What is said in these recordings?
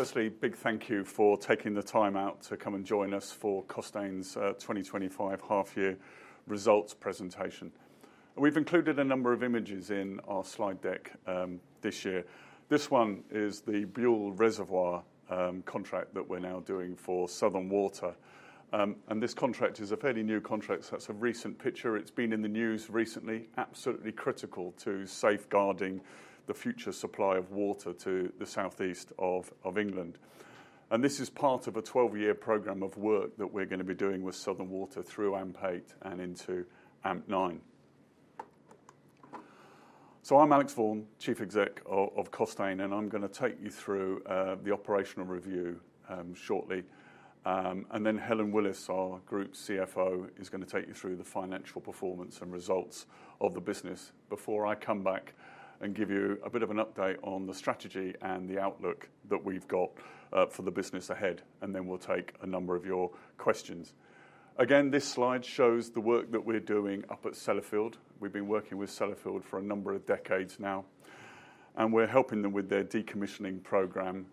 Firstly, a big thank you for taking the time out to come and join us for Costain's 2025 Half Year Results Presentation. We've included a number of images in our slide deck this year. This one is the [Burham] Reservoir contract that we're now doing for Southern Water. This contract is a fairly new contract, so that's a recent picture. It's been in the news recently, absolutely critical to safeguarding the future supply of water to the southeast of England. This is part of a 12-year program of work that we're going to be doing with Southern Water through AMP8 and into AMP9. I'm Alex Vaughan, Chief Exec of Costain, and I'm going to take you through the operational review shortly. Helen Willis, our group's CFO, is going to take you through the financial performance and results of the business before I come back and give you a bit of an update on the strategy and the outlook that we've got for the business ahead. We'll take a number of your questions. This slide shows the work that we're doing up at Sellafield. We've been working with Sellafield for a number of decades now. We're helping them with their decommissioning program.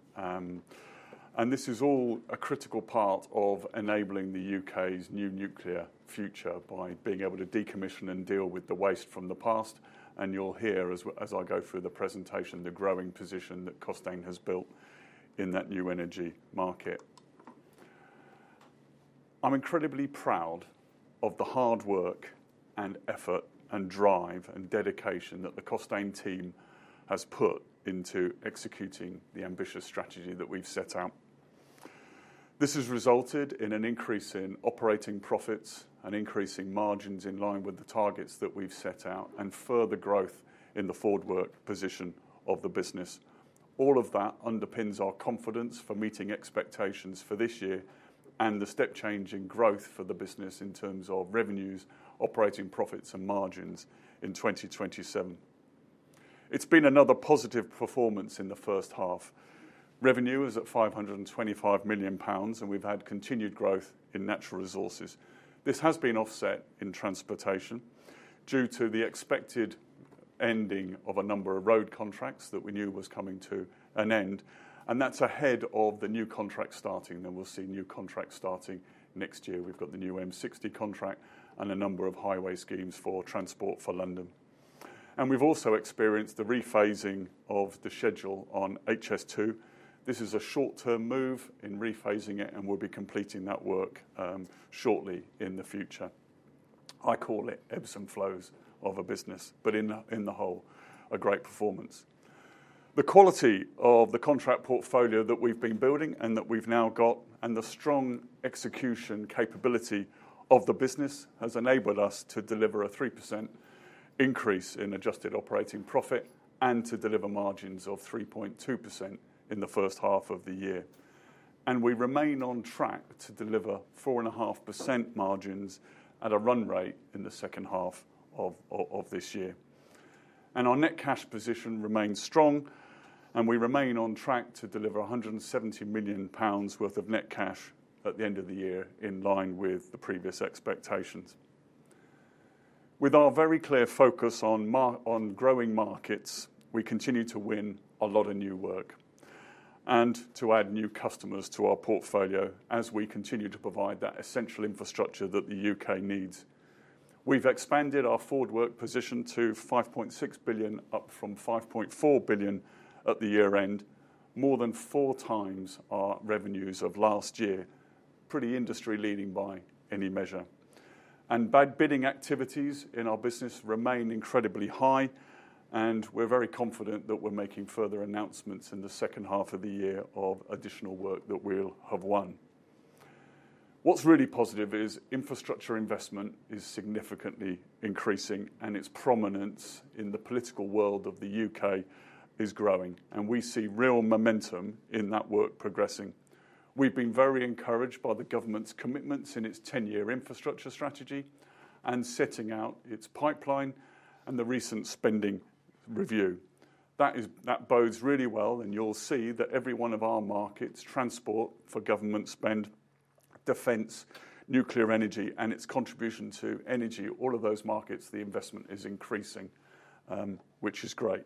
This is all a critical part of enabling the U.K.'s new nuclear future by being able to decommission and deal with the waste from the past. You'll hear, as I go through the presentation, the growing position that Costain has built in that new energy market. I'm incredibly proud of the hard work and effort and drive and dedication that the Costain team has put into executing the ambitious strategy that we've set out. This has resulted in an increase in operating profits and increasing margins in line with the targets that we've set out and further growth in the forward work position of the business. All of that underpins our confidence for meeting expectations for this year and the step-changing growth for the business in terms of revenues, operating profits, and margins in 2027. It's been another positive performance in the first half. Revenue is at 525 million pounds, and we've had continued growth in natural resources. This has been offset in transportation due to the expected ending of a number of road contracts that we knew was coming to an end. That's ahead of the new contract starting. We'll see new contracts starting next year. We've got the new M60 contract and a number of highway schemes for Transport for London. We have also experienced the rephasing of the schedule on HS2. This is a short-term move in rephasing it, and we'll be completing that work shortly in the future. I call it ebbs and flows of a business, but in the whole, a great performance. The quality of the contract portfolio that we've been building and that we've now got, and the strong execution capability of the business has enabled us to deliver a 3% increase in adjusted operating profit and to deliver margins of 3.2% in the first half of the year. We remain on track to deliver 4.5% margins at a run rate in the second half of this year. Our net cash position remains strong, and we remain on track to deliver 170 million pounds worth of net cash at the end of the year in line with the previous expectations. With our very clear focus on growing markets, we continue to win a lot of new work and to add new customers to our portfolio as we continue to provide that essential infrastructure that the U.K. needs. We've expanded our forward work position to 5.6 billion, up from 5.4 billion at the year-end, more than 4x our revenues of last year, pretty industry-leading by any measure. Bidding activities in our business remain incredibly high, and we're very confident that we're making further announcements in the second half of the year of additional work that we'll have won. What's really positive is infrastructure investment is significantly increasing, and its prominence in the political world of the U.K. is growing. We see real momentum in that work progressing. We've been very encouraged by the government's commitments in its 10-year infrastructure strategy and setting out its pipeline and the recent spending review. That bodes really well, and you'll see that every one of our markets, transport for government spend, defense, nuclear energy, and its contribution to energy, all of those markets, the investment is increasing, which is great.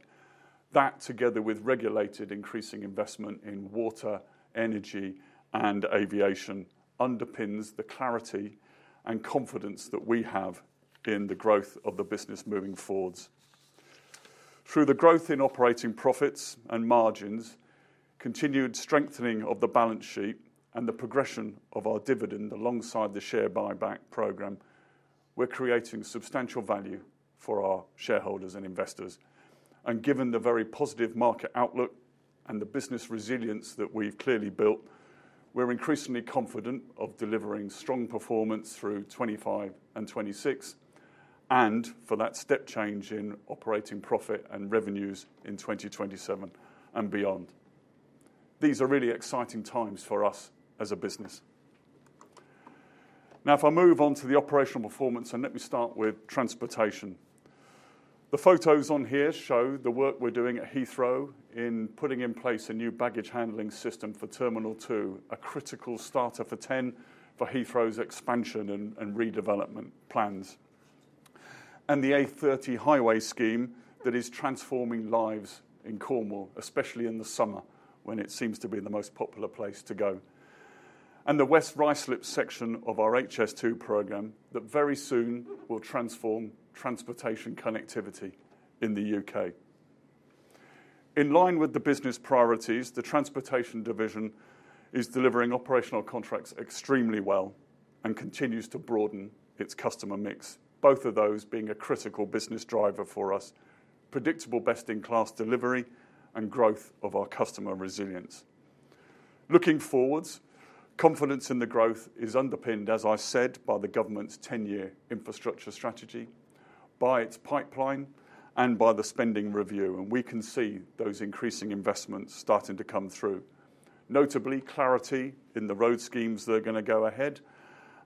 That, together with regulated increasing investment in water, energy, and aviation, underpins the clarity and confidence that we have in the growth of the business moving forwards. Through the growth in operating profits and margins, continued strengthening of the balance sheet, and the progression of our dividend alongside the share buyback program, we're creating substantial value for our shareholders and investors. Given the very positive market outlook and the business resilience that we've clearly built, we're increasingly confident of delivering strong performance through 2025 and 2026, and for that step change in operating profit and revenues in 2027 and beyond. These are really exciting times for us as a business. If I move on to the operational performance, let me start with transportation. The photos on here show the work we're doing at Heathrow in putting in place a new baggage handling system for Terminal 2, a critical starter for 10 for Heathrow's expansion and redevelopment plans. The A30 highway scheme is transforming lives in Cornwall, especially in the summer when it seems to be the most popular place to go. The West Ruislip section of our HS2 program very soon will transform transportation connectivity in the U.K. In line with the business priorities, the transportation division is delivering operational contracts extremely well and continues to broaden its customer mix, both of those being a critical business driver for us, predictable best-in-class delivery and growth of our customer resilience. Looking forwards, confidence in the growth is underpinned, as I said, by the government's 10-year infrastructure strategy, by its pipeline, and by the spending review. We can see those increasing investments starting to come through. Notably, clarity in the road schemes that are going to go ahead,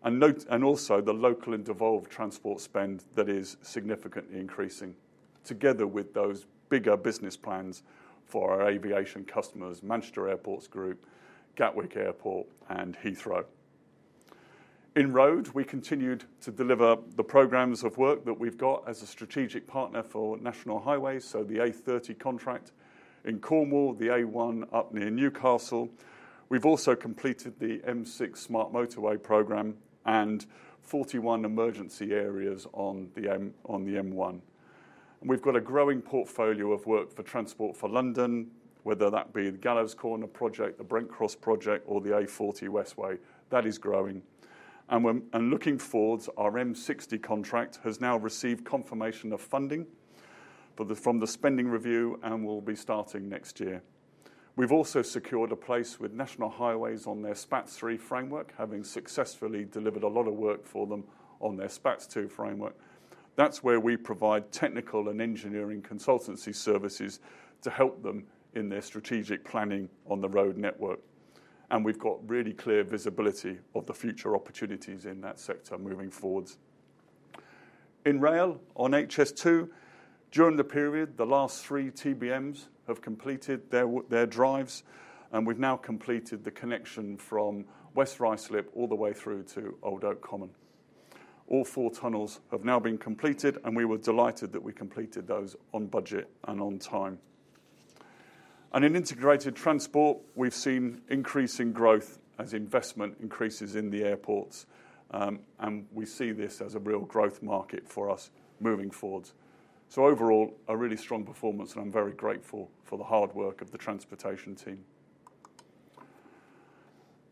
and also the local and devolved transport spend that is significantly increasing, together with those bigger business plans for our aviation customers, Manchester Airports Group, Gatwick Airport, and Heathrow. In road, we continued to deliver the programs of work that we've got as a strategic partner for National Highways, so the A30 contract in Cornwall, the A1 up near Newcastle. We've also completed the M6 Smart Motorway program and 41 emergency areas on the M1. We've got a growing portfolio of work for Transport for London, whether that be the Gallows Corner project, the Brent Cross project, or the A40 Westway, that is growing. Looking forwards, our M60 contract has now received confirmation of funding from the spending review and will be starting next year. We've also secured a place with National Highways on their SPaTS 3 framework, having successfully delivered a lot of work for them on their SPaTS 2 framework. That's where we provide technical and engineering consultancy services to help them in their strategic planning on the road network. We've got really clear visibility of the future opportunities in that sector moving forwards. In rail, on HS2, during the period, the last three TBMs have completed their drives, and we've now completed the connection from West Ruislip all the way through to Old Oak Common. All four tunnels have now been completed, and we were delighted that we completed those on budget and on time. In integrated transport, we've seen increasing growth as investment increases in the airports, and we see this as a real growth market for us moving forwards. Overall, a really strong performance, and I'm very grateful for the hard work of the transportation team.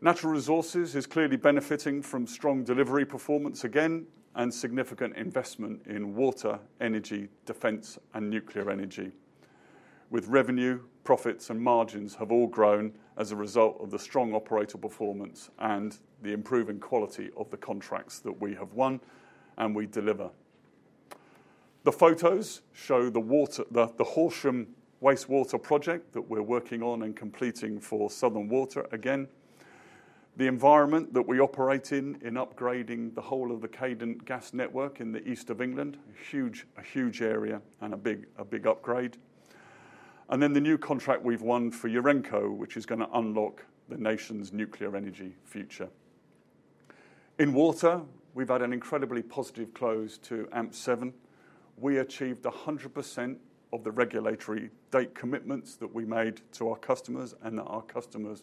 Natural resources is clearly benefiting from strong delivery performance again and significant investment in water, energy, defense, and nuclear energy. Revenue, profits, and margins have all grown as a result of the strong operator performance and the improving quality of the contracts that we have won and we deliver. The photos show the Horseshoe Wastewater project that we're working on and completing for Southern Water again. The environment that we operate in, in upgrading the whole of the Cadent Gas network in the east of England, a huge area and a big upgrade. The new contract we've won for Urenco is going to unlock the nation's nuclear energy future. In water, we've had an incredibly positive close to AMP7. We achieved 100% of the regulatory date commitments that we made to our customers and that our customers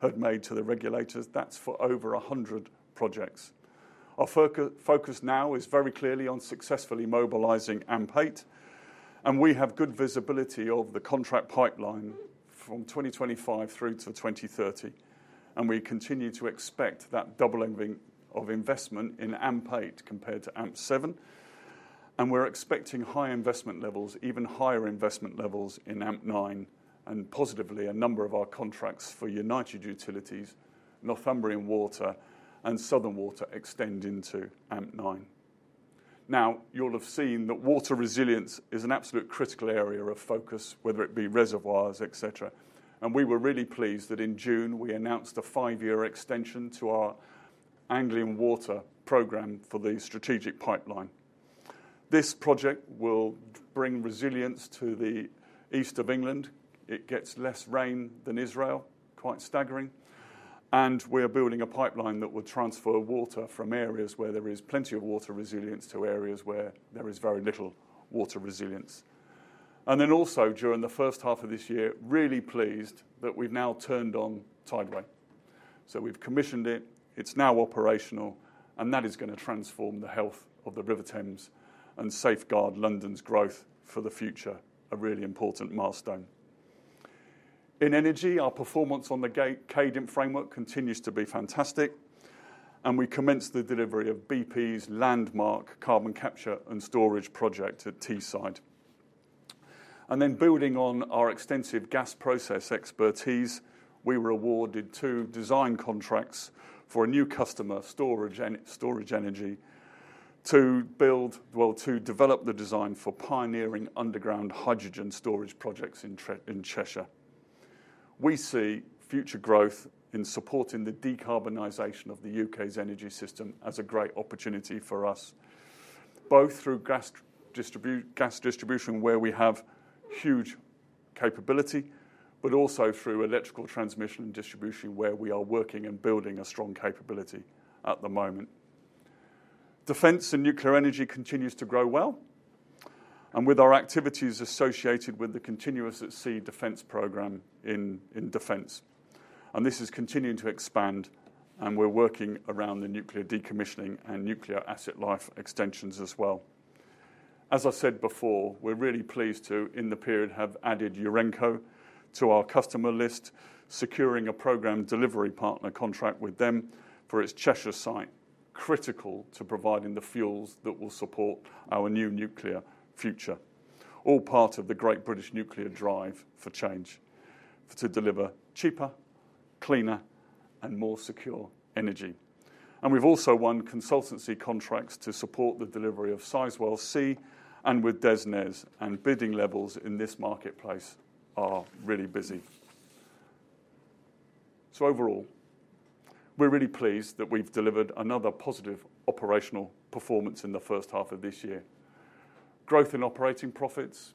had made to the regulators. That's for over 100 projects. Our focus now is very clearly on successfully mobilizing AMP8, and we have good visibility of the contract pipeline from 2025 through to 2030. We continue to expect that doubling of investment in AMP8 compared to AMP7, and we're expecting high investment levels, even higher investment levels in AMP9, and positively a number of our contracts for United Utilities, Northumbrian Water, and Southern Water extend into AMP9. You'll have seen that water resilience is an absolute critical area of focus, whether it be reservoirs, etc. We were really pleased that in June, we announced a five-year extension to our Anglian Water program for the strategic pipeline. This project will bring resilience to the east of England. It gets less rain than Israel, quite staggering. We are building a pipeline that will transfer water from areas where there is plenty of water resilience to areas where there is very little water resilience. During the first half of this year, really pleased that we've now turned on Tideway. We've commissioned it, it's now operational, and that is going to transform the health of the River Thames and safeguard London's growth for the future, a really important milestone. In energy, our performance on the Cadent framework continues to be fantastic, and we commenced the delivery of BP's landmark carbon capture and storage project at Teesside. Building on our extensive gas process expertise, we were awarded two design contracts for a new customer, Storage Energy, to develop the design for pioneering underground hydrogen storage projects in Cheshire. We see future growth in supporting the decarbonization of the U.K.'s energy system as a great opportunity for us, both through gas distribution, where we have huge capability, but also through electrical transmission and distribution, where we are working and building a strong capability at the moment. Defence and nuclear energy continues to grow well, with our activities associated with the Continuous At Sea Defence Programme in defence. This is continuing to expand, and we're working around the nuclear decommissioning and nuclear asset life extensions as well. As I said before, we're really pleased to, in the period, have added Urenco to our customer list, securing a program delivery partner contract with them for its Cheshire site, critical to providing the fuels that will support our new nuclear future. All part of the Great British Nuclear Drive for Change, to deliver cheaper, cleaner, and more secure energy. We've also won consultancy contracts to support the delivery of Sizewell C, and with DESNZ, and bidding levels in this marketplace are really busy. Overall, we're really pleased that we've delivered another positive operational performance in the first half of this year. Growth in operating profits,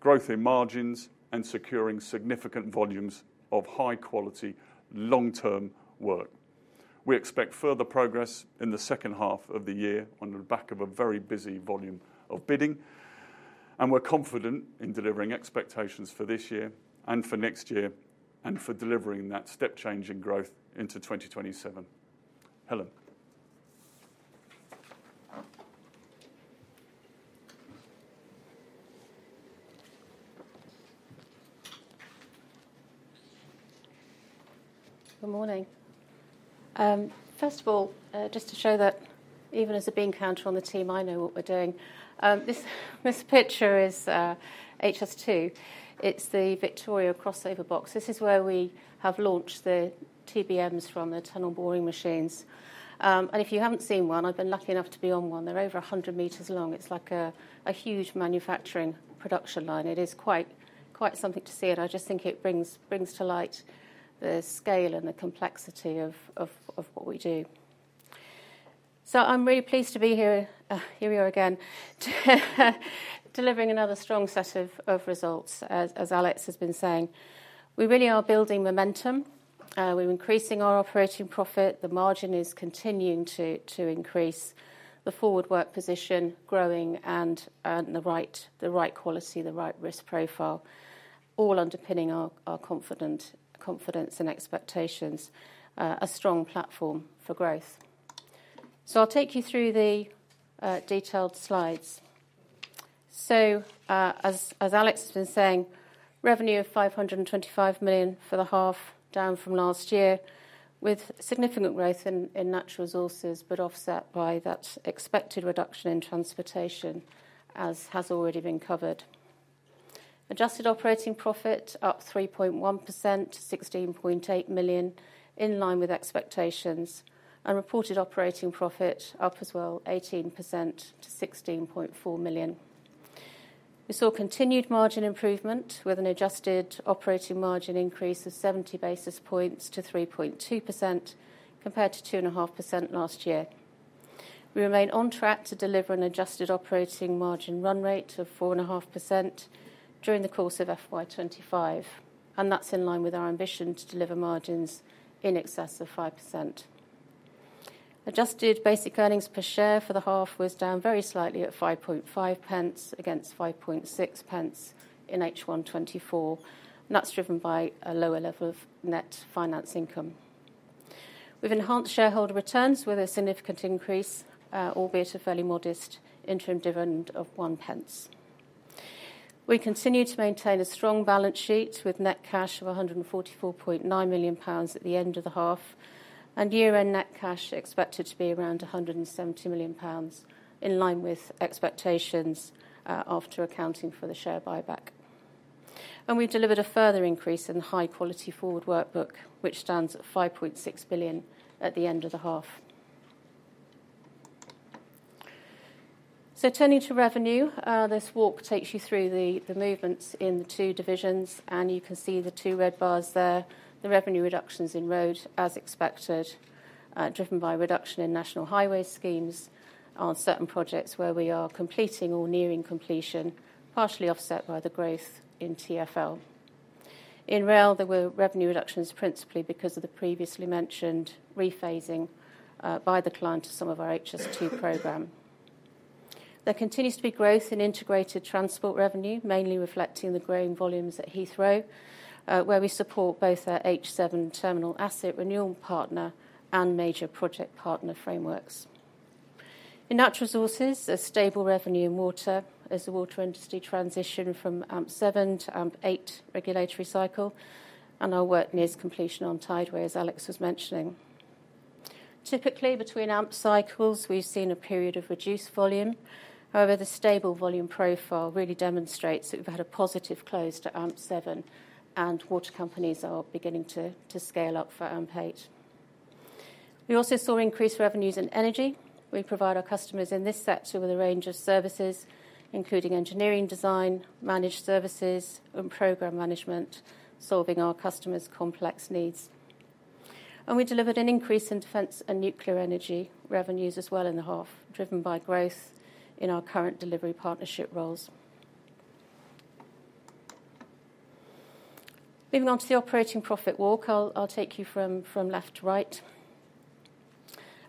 growth in margins, and securing significant volumes of high-quality long-term work. We expect further progress in the second half of the year on the back of a very busy volume of bidding, and we're confident in delivering expectations for this year and for next year and for delivering that step-changing growth into 2027. Helen. Good morning. First of all, just to show that even as a bean counter on the team, I know what we're doing. This picture is HS2. It's the Victoria crossover box. This is where we have launched the TBMs from, the tunnel boring machines. If you haven't seen one, I've been lucky enough to be on one. They're over 100 m long. It's like a huge manufacturing production line. It is quite something to see, and I just think it brings to light the scale and the complexity of what we do. I'm really pleased to be here. Here we are again, delivering another strong set of results, as Alex has been saying. We really are building momentum. We're increasing our operating profit. The margin is continuing to increase. The forward work position is growing and the right quality, the right risk profile, all underpinning our confidence and expectations, a strong platform for growth. I'll take you through the detailed slides. As Alex has been saying, revenue of 525 million for the half, down from last year, with significant growth in natural resources, but offset by that expected reduction in transportation, as has already been covered. Adjusted operating profit up 3.1%, 16.8 million, in line with expectations, and reported operating profit up as well, 18% to 16.4 million. We saw continued margin improvement, with an adjusted operating margin increase of 70 basis points to 3.2% compared to 2.5% last year. We remain on track to deliver an adjusted operating margin run rate of 4.5% during the course of FY 2025, and that's in line with our ambition to deliver margins in excess of 5%. Adjusted basic earnings per share for the half was down very slightly at 5.5 against 5.6 in H1 2024, and that's driven by a lower level of net finance income. We've enhanced shareholder returns with a significant increase, albeit a fairly modest interim dividend of 0.01. We continue to maintain a strong balance sheet with net cash of 144.9 million pounds at the end of the half, and year-end net cash expected to be around 170 million pounds, in line with expectations after accounting for the share buyback. We delivered a further increase in the high-quality forward work book, which stands at 5.6 billion at the end of the half. Turning to revenue, this walk takes you through the movements in the two divisions, and you can see the two red bars there, the revenue reductions in roads, as expected, driven by a reduction in National Highways schemes on certain projects where we are completing or nearing completion, partially offset by the growth in TFL. In rail, there were revenue reductions principally because of the previously mentioned rephasing by the client of some of our HS2 program. There continues to be growth in integrated transport revenue, mainly reflecting the growing volumes at Heathrow, where we support both our H7 terminal asset renewal partner and major project partner frameworks. In natural resources, there's stable revenue in water as the water industry transitioned from AMP7 to AMP8 regulatory cycle, and our work near its completion on Tideway, as Alex was mentioning. Typically, between AMP cycles, we've seen a period of reduced volume. However, the stable volume profile really demonstrates that we've had a positive close to AMP7, and water companies are beginning to scale up for AMP8. We also saw increased revenues in energy. We provide our customers in this sector with a range of services, including engineering design, managed services, and program management, solving our customers' complex needs. We delivered an increase in defense and nuclear energy revenues as well in the half, driven by growth in our current delivery partnership roles. Moving on to the operating profit walk, I'll take you from left to right.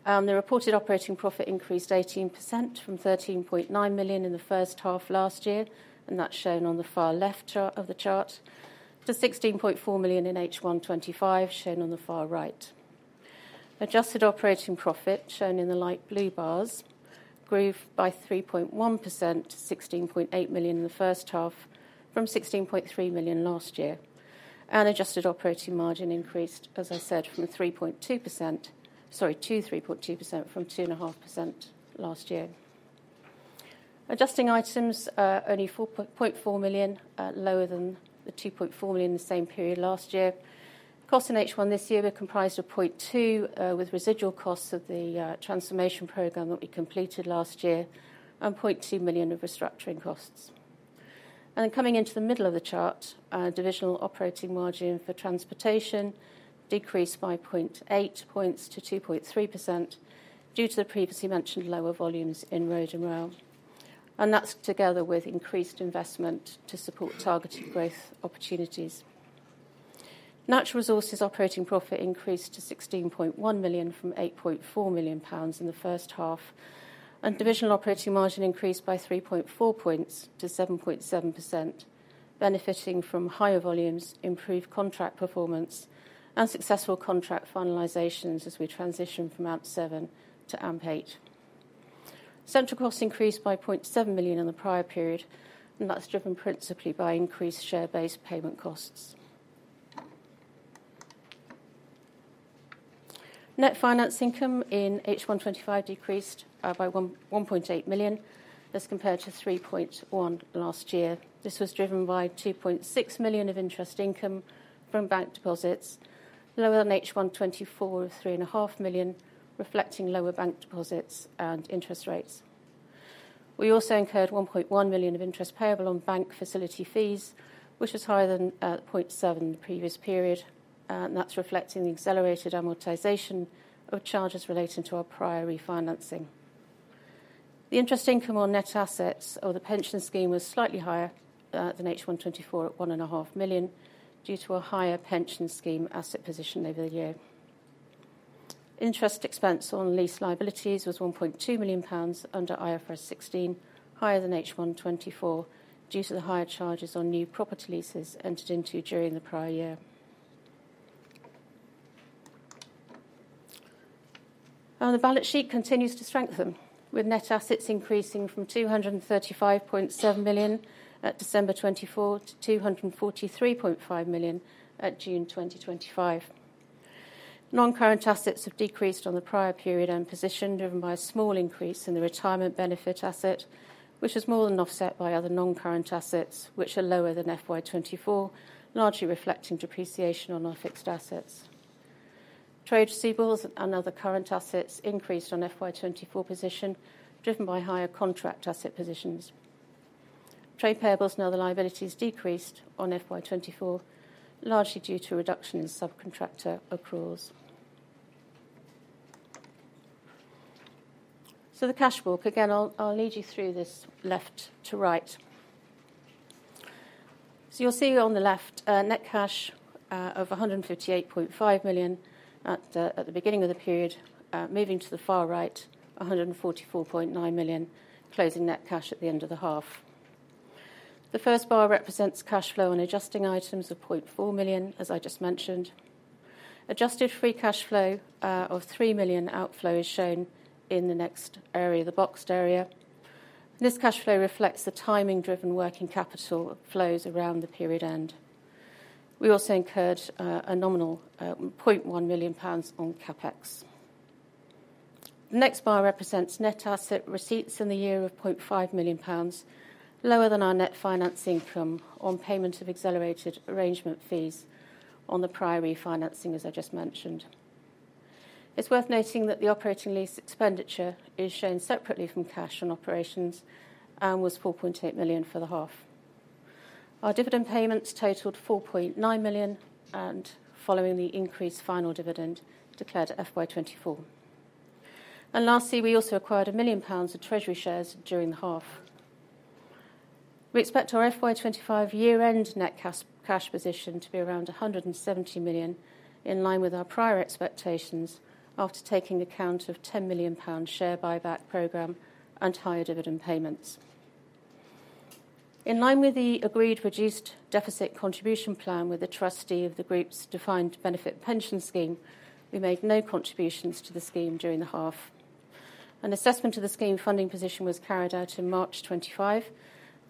The reported operating profit increased 18% from 13.9 million in the first half last year, and that's shown on the far left of the chart, to 16.4 million in H1 2025, shown on the far right. Adjusted operating profit, shown in the light blue bars, grew by 3.1% to 16.8 million in the first half from 16.3 million last year. Adjusted operating margin increased, as I said, to 3.2% from 2.5% last year. Adjusting items, only 4.4 million, lower than the 2.4 million in the same period last year. Costs in H1 this year were comprised of 0.2 million, with residual costs of the transformation program that we completed last year, and 0.2 million of restructuring costs. Coming into the middle of the chart, divisional operating margin for transportation decreased 5.8 points to 2.3% due to the previously mentioned lower volumes in road and rail, together with increased investment to support targeted growth opportunities. Natural resources operating profit increased to 16.1 million from 8.4 million pounds in the first half. Divisional operating margin increased by 3.4 points to 7.7%, benefiting from higher volumes, improved contract performance, and successful contract finalizations as we transition from AMP7 to AMP8. Central costs increased by 0.7 million in the prior period, and that's driven principally by increased share-based payment costs. Net finance income in H1 2025 decreased by 1.8 million as compared to 3.1 million last year. This was driven by 2.6 million of interest income from bank deposits, lower than H1 2024 of 3.5 million, reflecting lower bank deposits and interest rates. We also incurred 1.1 million of interest payable on bank facility fees, which was higher than 0.7 million in the previous period, reflecting the accelerated amortization of charges relating to our prior refinancing. The interest income on net assets of the pension scheme was slightly higher than H1 2024 at 1.5 million due to a higher pension scheme asset position over the year. Interest expense on lease liabilities was 1.2 million pounds under IFRS 16, higher than H1 2024 due to the higher charges on new property leases entered into during the prior year. The balance sheet continues to strengthen, with net assets increasing from 235.7 million at December 2024 to 243.5 million at June 2025. Non-current assets have decreased on the prior period and position, driven by a small increase in the retirement benefit asset, which is more than offset by other non-current assets, which are lower than FY 2024, largely reflecting depreciation on our fixed assets. Trade sequels and other current assets increased on FY 2024 position, driven by higher contract asset positions. Trade payables and other liabilities decreased on FY 2024, largely due to a reduction in subcontractor accruals. The cash walk, again, I'll lead you through this left to right. You'll see on the left, net cash of 158.5 million at the beginning of the period, moving to the far right, 144.9 million, closing net cash at the end of the half. The first bar represents cash flow on adjusting items of 0.4 million, as I just mentioned. Adjusted free cash flow of 3 million outflow is shown in the next area, the boxed area. This cash flow reflects the timing-driven working capital flows around the period end. We also incurred a nominal 0.1 million pounds on CapEx. The next bar represents net asset receipts in the year of 0.5 million pounds, lower than our net finance income on payment of accelerated arrangement fees on the prior refinancing, as I just mentioned. It's worth noting that the operating lease expenditure is shown separately from cash on operations and was 4.8 million for the half. Our dividend payments totaled 4.9 million, following the increased final dividend declared at FY 2024. Lastly, we also acquired 1 million pounds of treasury shares during the half. We expect our FY 2025 year-end net cash position to be around 170 million, in line with our prior expectations after taking account of the 10 million pound share buyback program and higher dividend payments. In line with the agreed reduced deficit contribution plan with the trustee of the group's defined benefit pension scheme, we made no contributions to the scheme during the half. An assessment of the scheme funding position was carried out in March 2025,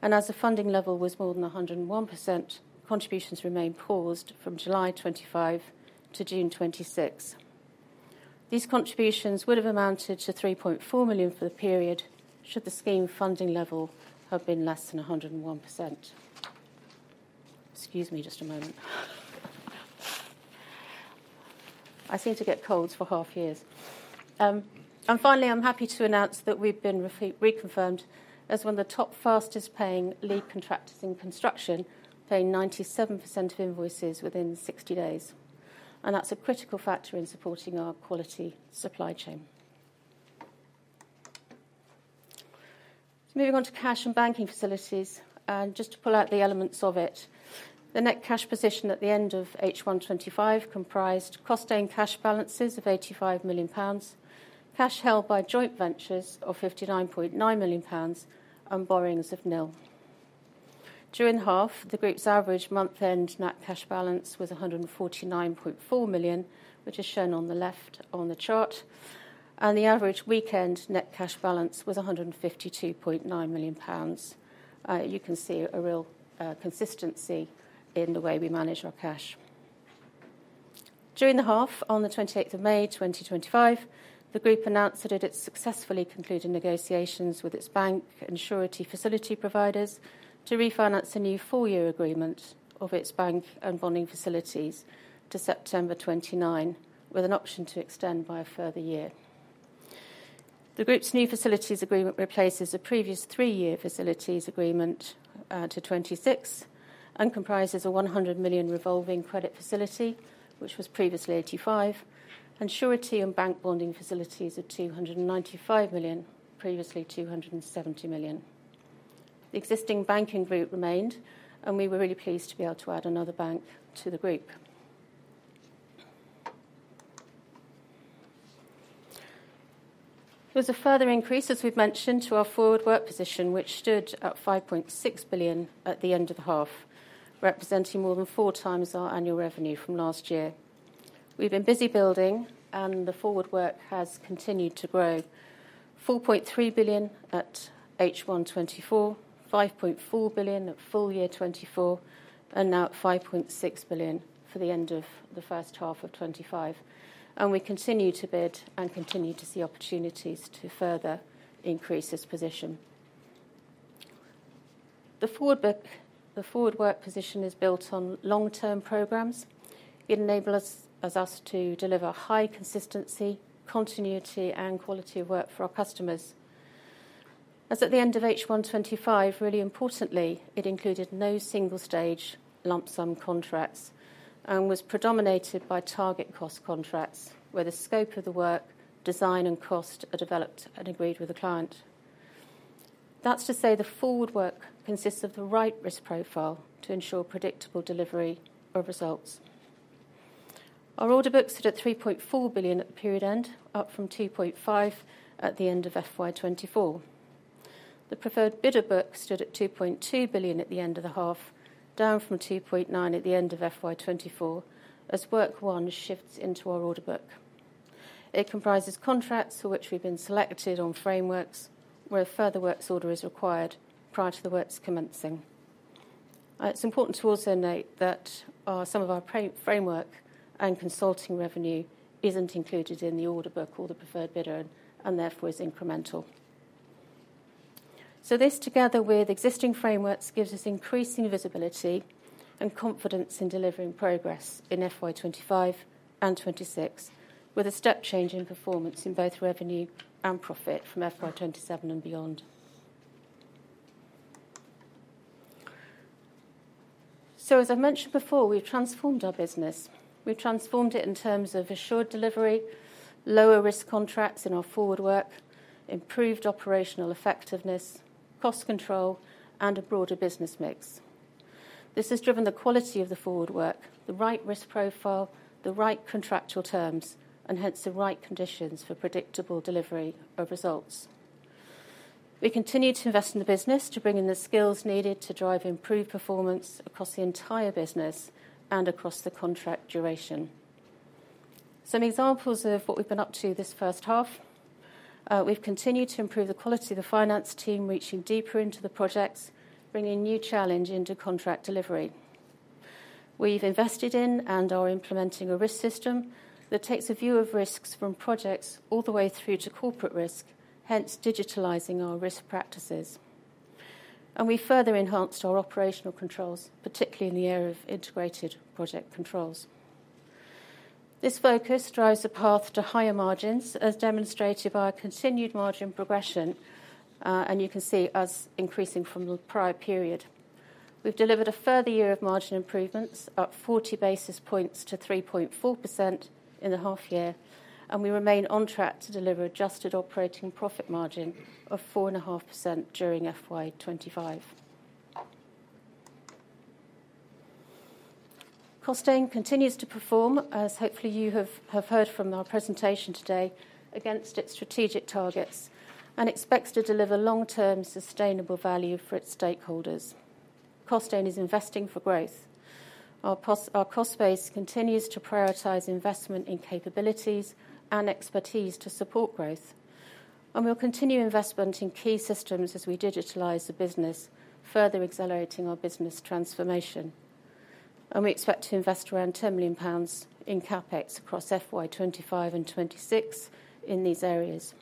and as the funding level was more than 101%, contributions remained paused from July 2025 to June 2026. These contributions would have amounted to 3.4 million for the period should the scheme funding level have been less than 101%. Excuse me just a moment. I seem to get cold for half years. Finally, I'm happy to announce that we've been reconfirmed as one of the top fastest-paying lead contractors in construction, paying 97% of invoices within 60 days. That's a critical factor in supporting our quality supply chain. Moving on to cash and banking facilities, and just to pull out the elements of it, the net cash position at the end of H1 2025 comprised Costain cash balances of 85 million pounds, cash held by joint ventures of 59.9 million pounds, and borrowings of nil. During the half, the group's average month-end net cash balance was 149.4 million, which is shown on the left on the chart, and the average week-end net cash balance was 152.9 million pounds. You can see a real consistency in the way we manage our cash. During the half, on the 28th of May 2025, the group announced that it had successfully concluded negotiations with its bank and surety facility providers to refinance a new four-year agreement of its bank and bonding facilities to September 2029, with an option to extend by a further year. The group's new facilities agreement replaces a previous three-year facilities agreement to 2026 and comprises a 100 million revolving credit facility, which was previously 85 million, and surety and bank bonding facilities of 295 million, previously 270 million. The existing banking group remained, and we were really pleased to be able to add another bank to the group. There was a further increase, as we've mentioned, to our forward work position, which stood at 5.6 billion at the end of the half, representing more than 4x our annual revenue from last year. We've been busy building, and the forward work has continued to grow. 4.3 billion at H1 2024, 5.4 billion at full year 2024, and now at 5.6 billion for the end of the first half of 2025. We continue to bid and continue to see opportunities to further increase this position. The forward work position is built on long-term programs. It enables us to deliver high consistency, continuity, and quality of work for our customers. As at the end of H1 2025, really importantly, it included no single-stage lump sum contracts and was predominated by target cost contracts, where the scope of the work, design, and cost are developed and agreed with the client. That's to say the forward work consists of the right risk profile to ensure predictable delivery of results. Our order book stood at 3.4 billion at the period end, up from 2.5 billion at the end of FY 2024. The preferred bidder book stood at 2.2 billion at the end of the half, down from 2.9 billion at the end of FY 2024, as work won shifts into our order book. It comprises contracts for which we've been selected on frameworks where a further works order is required prior to the works commencing. It's important to also note that some of our framework and consulting revenue isn't included in the order book or the preferred bidder, and therefore is incremental. This, together with existing frameworks, gives us increasing visibility and confidence in delivering progress in FY 2025 and 2026, with a step change in performance in both revenue and profit from FY 2027 and beyond. As I've mentioned before, we've transformed our business. We've transformed it in terms of assured delivery, lower risk contracts in our forward work, improved operational effectiveness, cost control, and a broader business mix. This has driven the quality of the forward work, the right risk profile, the right contractual terms, and hence the right conditions for predictable delivery of results. We continue to invest in the business to bring in the skills needed to drive improved performance across the entire business and across the contract duration. Some examples of what we've been up to this first half. We've continued to improve the quality of the finance team, reaching deeper into the projects, bringing new challenge into contract delivery. We've invested in and are implementing a risk system that takes a view of risks from projects all the way through to corporate risk, hence digitalizing our risk practices. We further enhanced our operational controls, particularly in the area of integrated project controls. This focus drives the path to higher margins, as demonstrated by a continued margin progression, and you can see us increasing from the prior period. We've delivered a further year of margin improvements, up 40 basis points to 3.4% in the half year, and we remain on track to deliver adjusted operating profit margin of 4.5% during FY 2025. Costain continues to perform, as hopefully you have heard from our presentation today, against its strategic targets and expects to deliver long-term sustainable value for its stakeholders. Costain is investing for growth. Our cost base continues to prioritize investment in capabilities and expertise to support growth. We will continue investment in key systems as we digitalize the business, further accelerating our business transformation. We expect to invest around 10 million pounds in CapEx across FY 2025 and 2026 in these areas.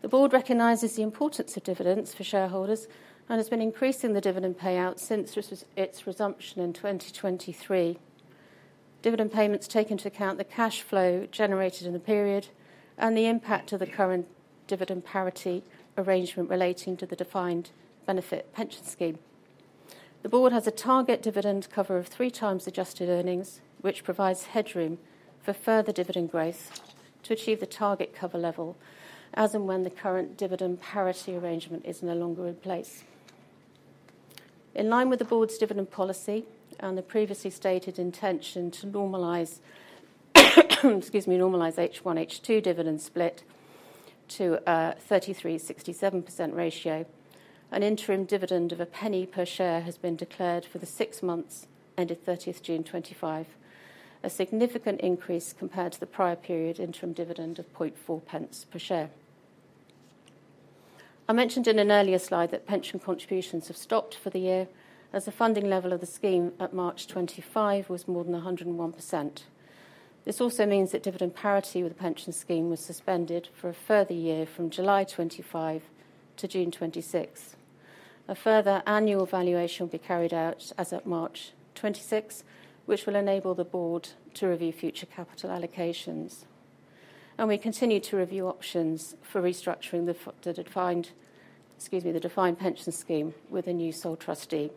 The board recognizes the importance of dividends for shareholders and has been increasing the dividend payout since its resumption in 2023. Dividend payments take into account the cash flow generated in the period and the impact of the current dividend parity arrangement relating to the defined benefit pension scheme. The board has a target dividend cover of 3x adjusted earnings, which provides headroom for further dividend growth to achieve the target cover level as and when the current dividend parity arrangement is no longer in place. In line with the board's dividend policy and the previously stated intention to normalize, excuse me, normalize H1/H2 dividend split to a 33.67% ratio, an interim dividend of GBP 0.01 per share has been declared for the six months ended 30th June 2025, a significant increase compared to the prior period interim dividend of [0.40] per share. I mentioned in an earlier slide that pension contributions have stopped for the year, as the funding level of the scheme at March 2025 was more than 101%. This also means that dividend parity with the pension scheme was suspended for a further year from July 2025 to June 2026. A further annual evaluation will be carried out as of March 2026, which will enable the board to review future capital allocations. We continue to review options for restructuring the defined pension scheme with a new sole trustee.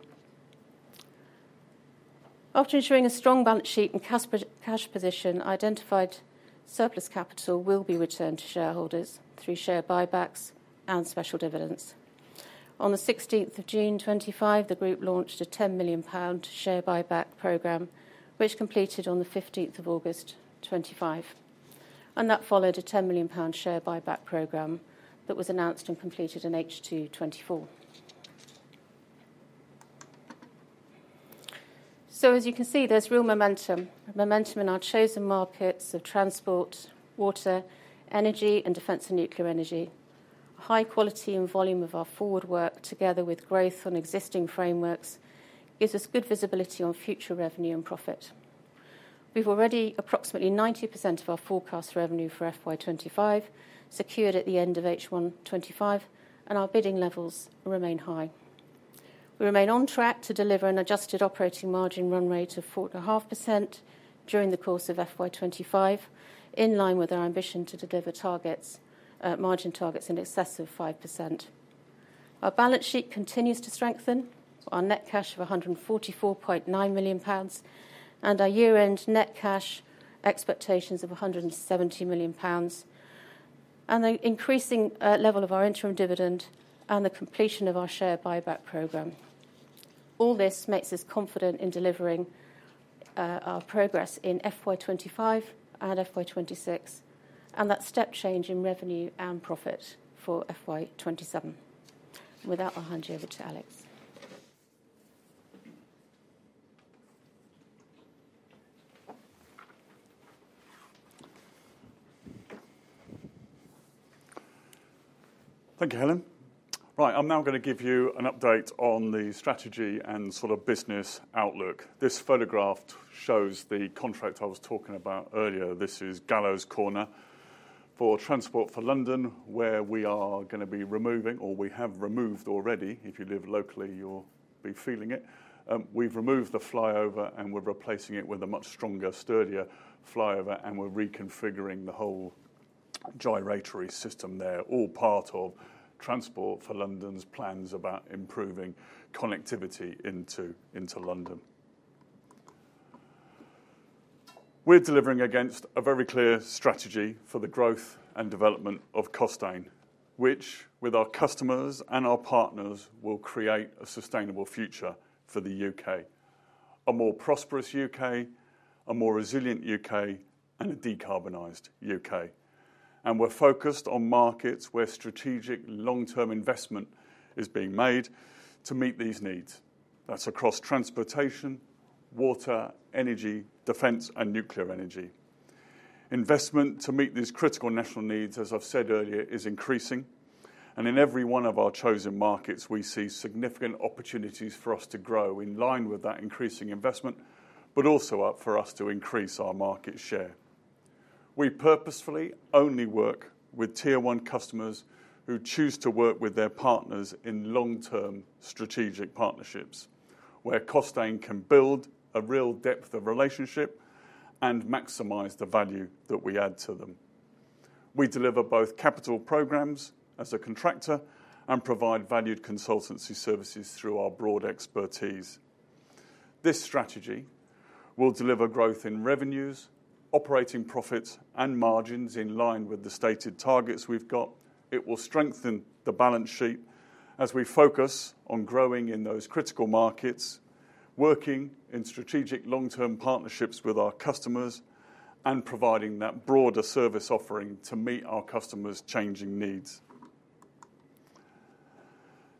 After ensuring a strong balance sheet and cash position, identified surplus capital will be returned to shareholders through share buybacks and special dividends. On the 16th of June 2025, the group launched a GBP 10 million share buyback program, which completed on the 15th of August 2025. That followed a 10 million pound share buyback program that was announced and completed in H2 2024. There is real momentum in our chosen markets of transport, water, energy, and defense and nuclear energy. A high quality and volume of our forward work, together with growth on existing frameworks, gives us good visibility on future revenue and profit. We've already approximately 90% of our forecast revenue for FY 2025 secured at the end of H1 2025, and our bidding levels remain high. We remain on track to deliver an adjusted operating margin run rate of 4.5% during the course of FY 2025, in line with our ambition to deliver margin targets in excess of 5%. Our balance sheet continues to strengthen, our net cash of 144.9 million pounds, and our year-end net cash expectations of 170 million pounds, and the increasing level of our interim dividend and the completion of our share buyback program. All this makes us confident in delivering our progress in FY 2025 and FY 2026, and that step change in revenue and profit for FY 2027. With that, I'll hand you over to Alex. Thank you, Helen. Right, I'm now going to give you an update on the strategy and sort of business outlook. This photograph shows the contract I was talking about earlier. This is Gallows Corner for Transport for London, where we are going to be removing, or we have removed already. If you live locally, you'll be feeling it. We've removed the flyover, and we're replacing it with a much stronger, sturdier flyover, and we're reconfiguring the whole gyratory system there, all part of Transport for London's plans about improving connectivity into London. We're delivering against a very clear strategy for the growth and development of Costain, which, with our customers and our partners, will create a sustainable future for the U.K., a more prosperous U.K., a more resilient U.K., and a decarbonized U.K. We're focused on markets where strategic long-term investment is being made to meet these needs. That's across transportation, water, energy, defence, and nuclear energy. Investment to meet these critical national needs, as I've said earlier, is increasing, and in every one of our chosen markets, we see significant opportunities for us to grow in line with that increasing investment, but also for us to increase our market share. We purposefully only work with Tier 1 customers who choose to work with their partners in long-term strategic partnerships, where Costain can build a real depth of relationship and maximize the value that we add to them. We deliver both capital programs as a contractor and provide valued consultancy services through our broad expertise. This strategy will deliver growth in revenues, operating profits, and margins in line with the stated targets we've got. It will strengthen the balance sheet as we focus on growing in those critical markets, working in strategic long-term partnerships with our customers, and providing that broader service offering to meet our customers' changing needs.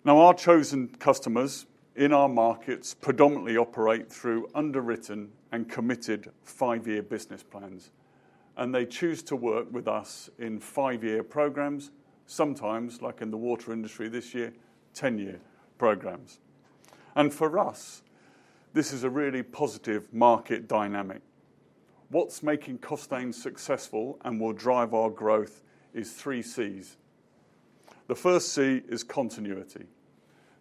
Now, our chosen customers in our markets predominantly operate through underwritten and committed five-year business plans, and they choose to work with us in five-year programs, sometimes, like in the water industry this year, 10-year programs. For us, this is a really positive market dynamic. What's making Costain successful and will drive our growth is three Cs. The first C is continuity.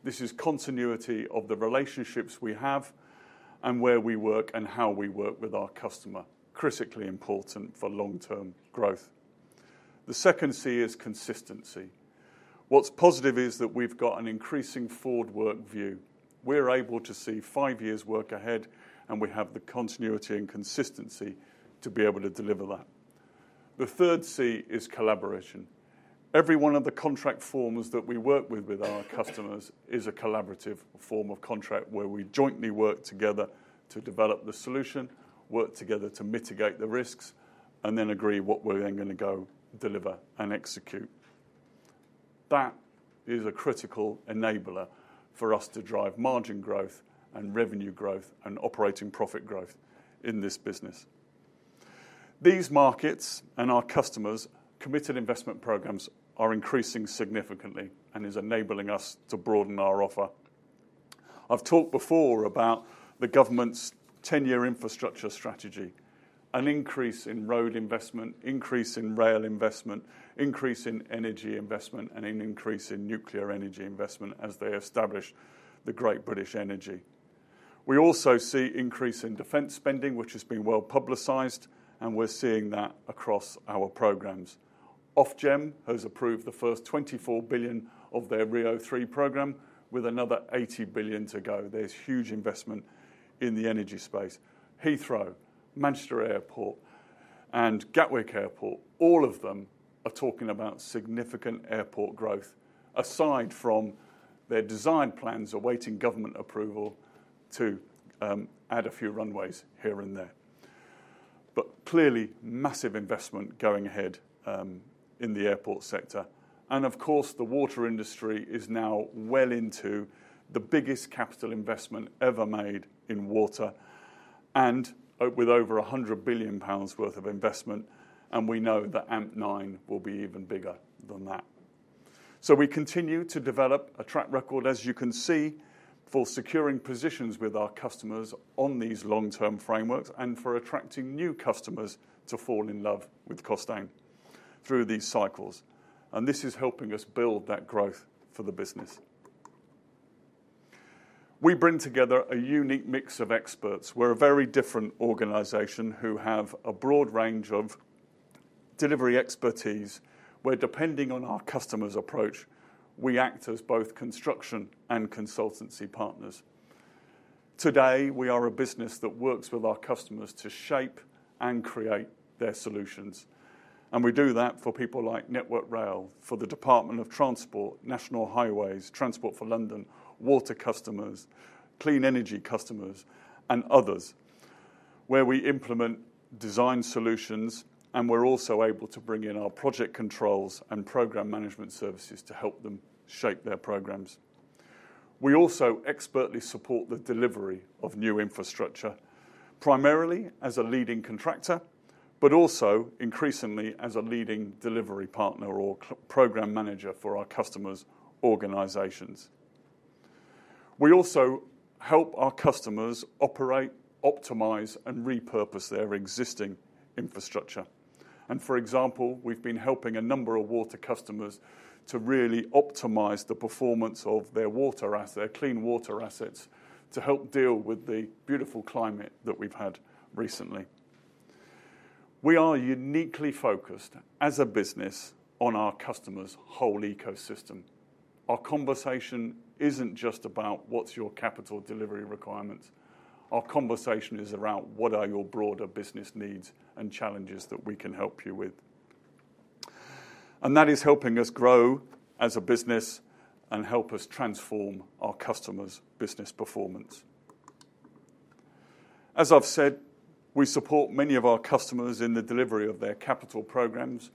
This is continuity of the relationships we have and where we work and how we work with our customer, critically important for long-term growth. The second C is consistency. What's positive is that we've got an increasing forward work view. We're able to see five years' work ahead, and we have the continuity and consistency to be able to deliver that. The third C is collaboration. Every one of the contract forms that we work with with our customers is a collaborative form of contract where we jointly work together to develop the solution, work together to mitigate the risks, and then agree what we're then going to go deliver and execute. That is a critical enabler for us to drive margin growth and revenue growth and operating profit growth in this business. These markets and our customers' committed investment programs are increasing significantly and are enabling us to broaden our offer. I've talked before about the government's 10-year infrastructure strategy, an increase in road investment, increase in rail investment, increase in energy investment, and an increase in nuclear energy investment as they establish the Great British Energy. We also see an increase in defense spending, which has been well publicized, and we're seeing that across our programs. Ofgem has approved the first 24 billion of their RIIO-3 program, with another 80 billion to go. There's huge investment in the energy space. Heathrow, Manchester Airport, and Gatwick Airport, all of them are talking about significant airport growth, aside from their design plans awaiting government approval to add a few runways here and there. Clearly, massive investment going ahead in the airport sector. Of course, the water industry is now well into the biggest capital investment ever made in water, and with over 100 billion pounds worth of investment, and we know that AMP9 will be even bigger than that. We continue to develop a track record, as you can see, for securing positions with our customers on these long-term frameworks and for attracting new customers to fall in love with Costain through these cycles. This is helping us build that growth for the business. We bring together a unique mix of experts. We're a very different organization who have a broad range of delivery expertise, where depending on our customer's approach, we act as both construction and consultancy partners. Today, we are a business that works with our customers to shape and create their solutions. We do that for people like Network Rail, for the Department of Transport, National Highways, Transport for London, water customers, clean energy customers, and others, where we implement design solutions, and we're also able to bring in our project controls and program management services to help them shape their programs. We also expertly support the delivery of new infrastructure, primarily as a leading contractor, but also increasingly as a leading delivery partner or program manager for our customers' organizations. We also help our customers operate, optimize, and repurpose their existing infrastructure. For example, we've been helping a number of water customers to really optimize the performance of their water assets, their clean water assets, to help deal with the beautiful climate that we've had recently. We are uniquely focused, as a business, on our customers' whole ecosystem. Our conversation isn't just about what's your capital delivery requirements. Our conversation is around what are your broader business needs and challenges that we can help you with. That is helping us grow as a business and help us transform our customers' business performance. As I've said, we support many of our customers in the delivery of their capital programs.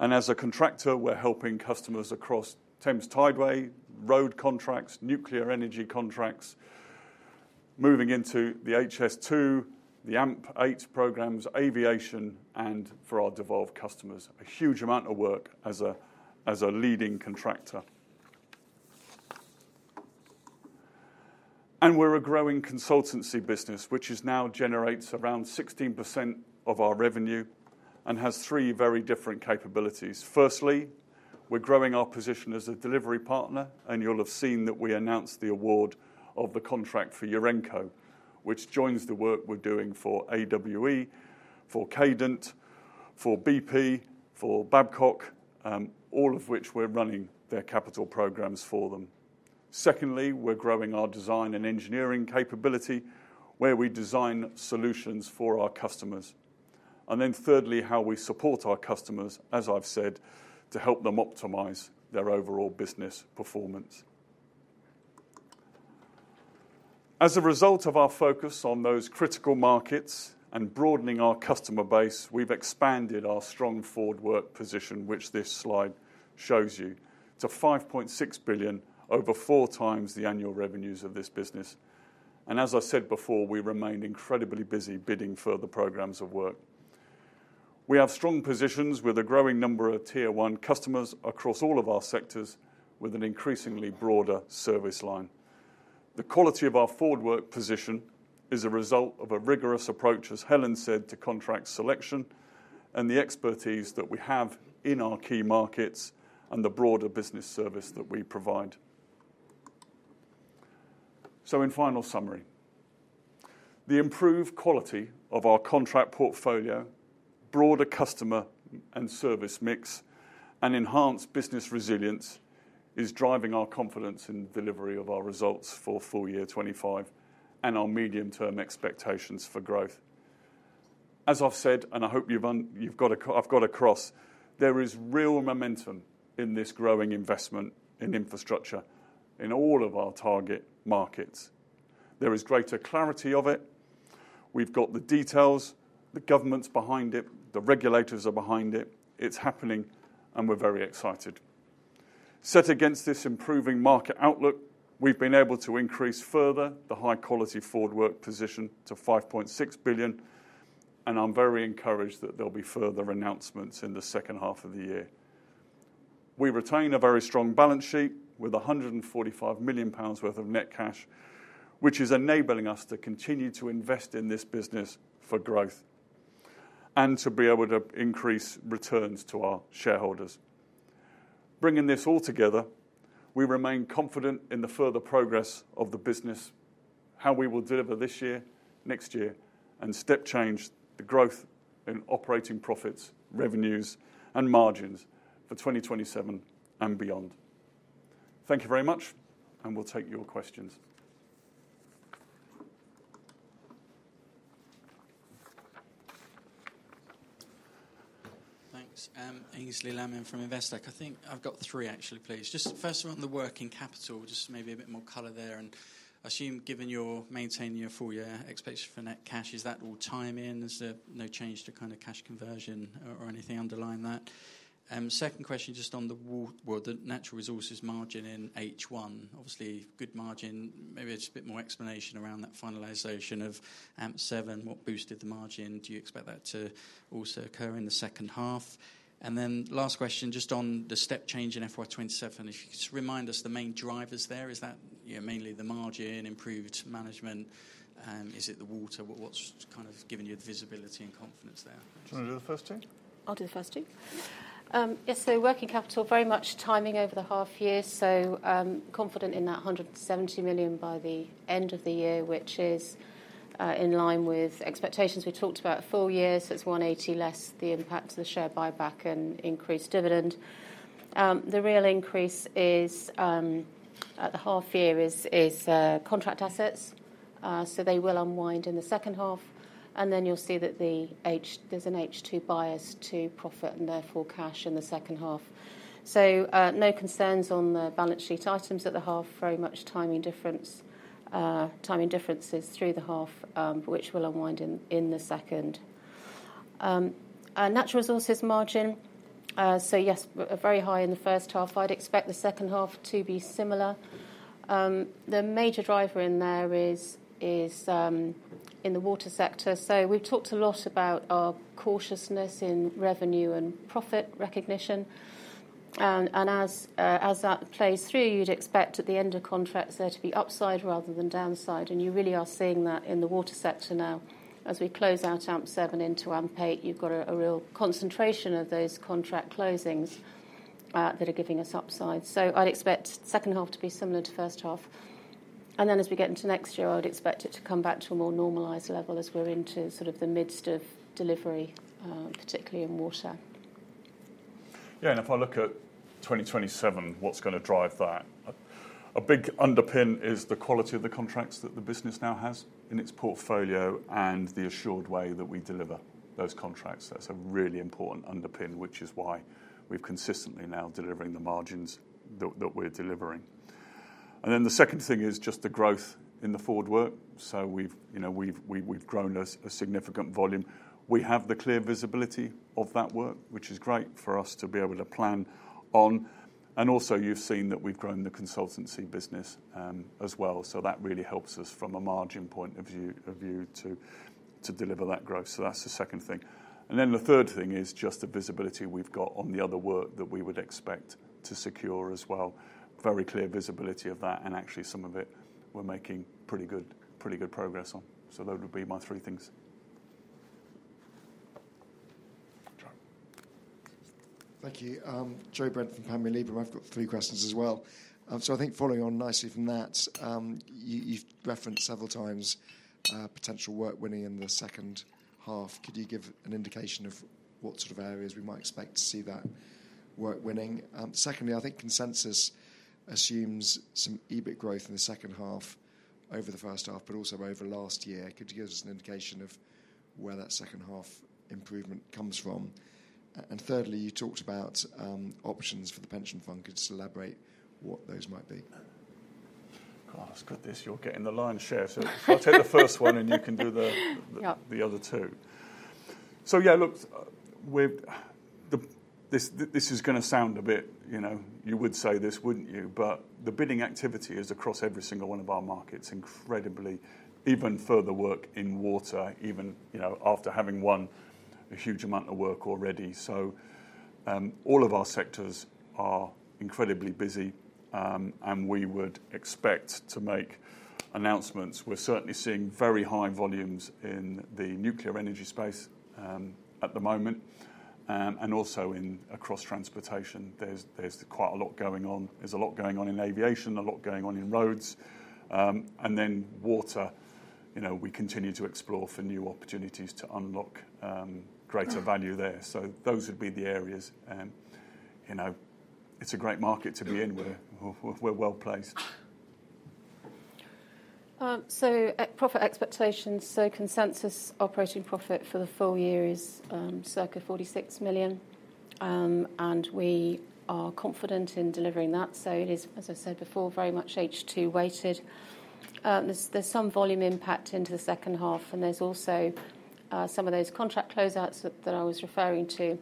As a contractor, we're helping customers across Thames Tideway, road contracts, nuclear energy contracts, moving into the HS2, the AMP8 programs, aviation, and for our devolved customers, a huge amount of work as a leading contractor. We're a growing consultancy business, which now generates around 16% of our revenue and has three very different capabilities. Firstly, we're growing our position as a delivery partner, and you'll have seen that we announced the award of the contract for Urenco, which joins the work we're doing for AWE, for Cadent, for BP, for Babcock, all of which we're running their capital programs for them. Secondly, we're growing our design and engineering capability, where we design solutions for our customers. Thirdly, how we support our customers, as I've said, to help them optimize their overall business performance. As a result of our focus on those critical markets and broadening our customer base, we've expanded our strong forward work position, which this slide shows you, to 5.6 billion, over four times the annual revenues of this business. As I said before, we remain incredibly busy bidding further programs of work. We have strong positions with a growing number of Tier 1 customers across all of our sectors, with an increasingly broader service line. The quality of our forward work position is a result of a rigorous approach, as Helen said, to contract selection and the expertise that we have in our key markets and the broader business service that we provide. In final summary, the improved quality of our contract portfolio, broader customer and service mix, and enhanced business resilience is driving our confidence in the delivery of our results for full year 2025 and our medium-term expectations for growth. As I've said, and I hope you've got across, there is real momentum in this growing investment in infrastructure in all of our target markets. There is greater clarity of it. We've got the details, the government's behind it, the regulators are behind it. It's happening, and we're very excited. Set against this improving market outlook, we've been able to increase further the high-quality forward work position to 5.6 billion, and I'm very encouraged that there'll be further announcements in the second half of the year. We retain a very strong balance sheet with 145 million pounds worth of net cash, which is enabling us to continue to invest in this business for growth and to be able to increase returns to our shareholders. Bringing this all together, we remain confident in the further progress of the business, how we will deliver this year, next year, and step change the growth in operating profits, revenues, and margins for 2027 and beyond. Thank you very much, and we'll take your questions. Thanks. [Aislee Lamming] from InvesTech. I think I've got three, actually, please. First, around the working capital, just maybe a bit more color there. I assume, given you're maintaining your full year expectation for net cash, is that all timing? Is there no change to kind of cash conversion or anything underlying that? Second question, just on the natural resources margin in H1. Obviously, good margin. Maybe it's a bit more explanation around that finalization of AMP7. What boosted the margin? Do you expect that to also occur in the second half? Last question, just on the step change in FY 2027. Just remind us the main drivers there. Is that mainly the margin, improved management? Is it the water? What's kind of given you the visibility and confidence there? Do you want to do the first two? I'll do the first two. Yeah, so working capital, very much timing over the half year. Confident in that 170 million by the end of the year, which is in line with expectations. We talked about four years, so it's 180 million less the impact of the share buyback and increased dividend. The real increase at the half year is contract assets. They will unwind in the second half, and you'll see that there's an H2 bias to profit and therefore cash in the second half. No concerns on the balance sheet items at the half, very much timing differences through the half, which will unwind in the second. Natural resources margin, yes, very high in the first half. I'd expect the second half to be similar. The major driver in there is in the water sector. We've talked a lot about our cautiousness in revenue and profit recognition. As that plays through, you'd expect at the end of contracts there to be upside rather than downside. You really are seeing that in the water sector now. As we close out AMP7 into AMP8, you've got a real concentration of those contract closings that are giving us upside. I'd expect the second half to be similar to the first half. As we get into next year, I would expect it to come back to a more normalised level as we're into sort of the midst of delivery, particularly in water. Yeah, and if I look at 2027, what's going to drive that? A big underpin is the quality of the contracts that the business now has in its portfolio and the assured way that we deliver those contracts. That's a really important underpin, which is why we've consistently now delivering the margins that we're delivering. The second thing is just the growth in the forward work. We've grown a significant volume. We have the clear visibility of that work, which is great for us to be able to plan on. Also, you've seen that we've grown the consultancy business as well. That really helps us from a margin point of view to deliver that growth. The third thing is just the visibility we've got on the other work that we would expect to secure as well. Very clear visibility of that, and actually some of it we're making pretty good progress on. Those would be my three things. Thank you. [Jo Brent from Family Leaver], I've got three questions as well. I think following on nicely from that, you've referenced several times potential work winning in the second half. Could you give an indication of what sort of areas we might expect to see that work winning? Secondly, I think consensus assumes some EBIT growth in the second half over the first half, but also over last year. Could you give us an indication of where that second half improvement comes from? Thirdly, you talked about options for the pension fund. Could you just elaborate what those might be? Oh, I've got this. You're getting the lion's share. I'll take the first one, and you can do the other two. This is going to sound a bit, you know, you would say this, wouldn't you? The bidding activity is across every single one of our markets, incredibly, even further work in water, even after having won a huge amount of work already. All of our sectors are incredibly busy, and we would expect to make announcements. We're certainly seeing very high volumes in the nuclear energy space at the moment, and also across transportation. There's quite a lot going on. There's a lot going on in aviation, a lot going on in roads, and then water. We continue to explore for new opportunities to unlock greater value there. Those would be the areas, and you know, it's a great market to be in. We're well placed. Profit expectations, consensus operating profit for the full year is circa 46 million, and we are confident in delivering that. It is, as I said before, very much H2 weighted. There's some volume impact into the second half, and there's also some of those contract closeouts that I was referring to,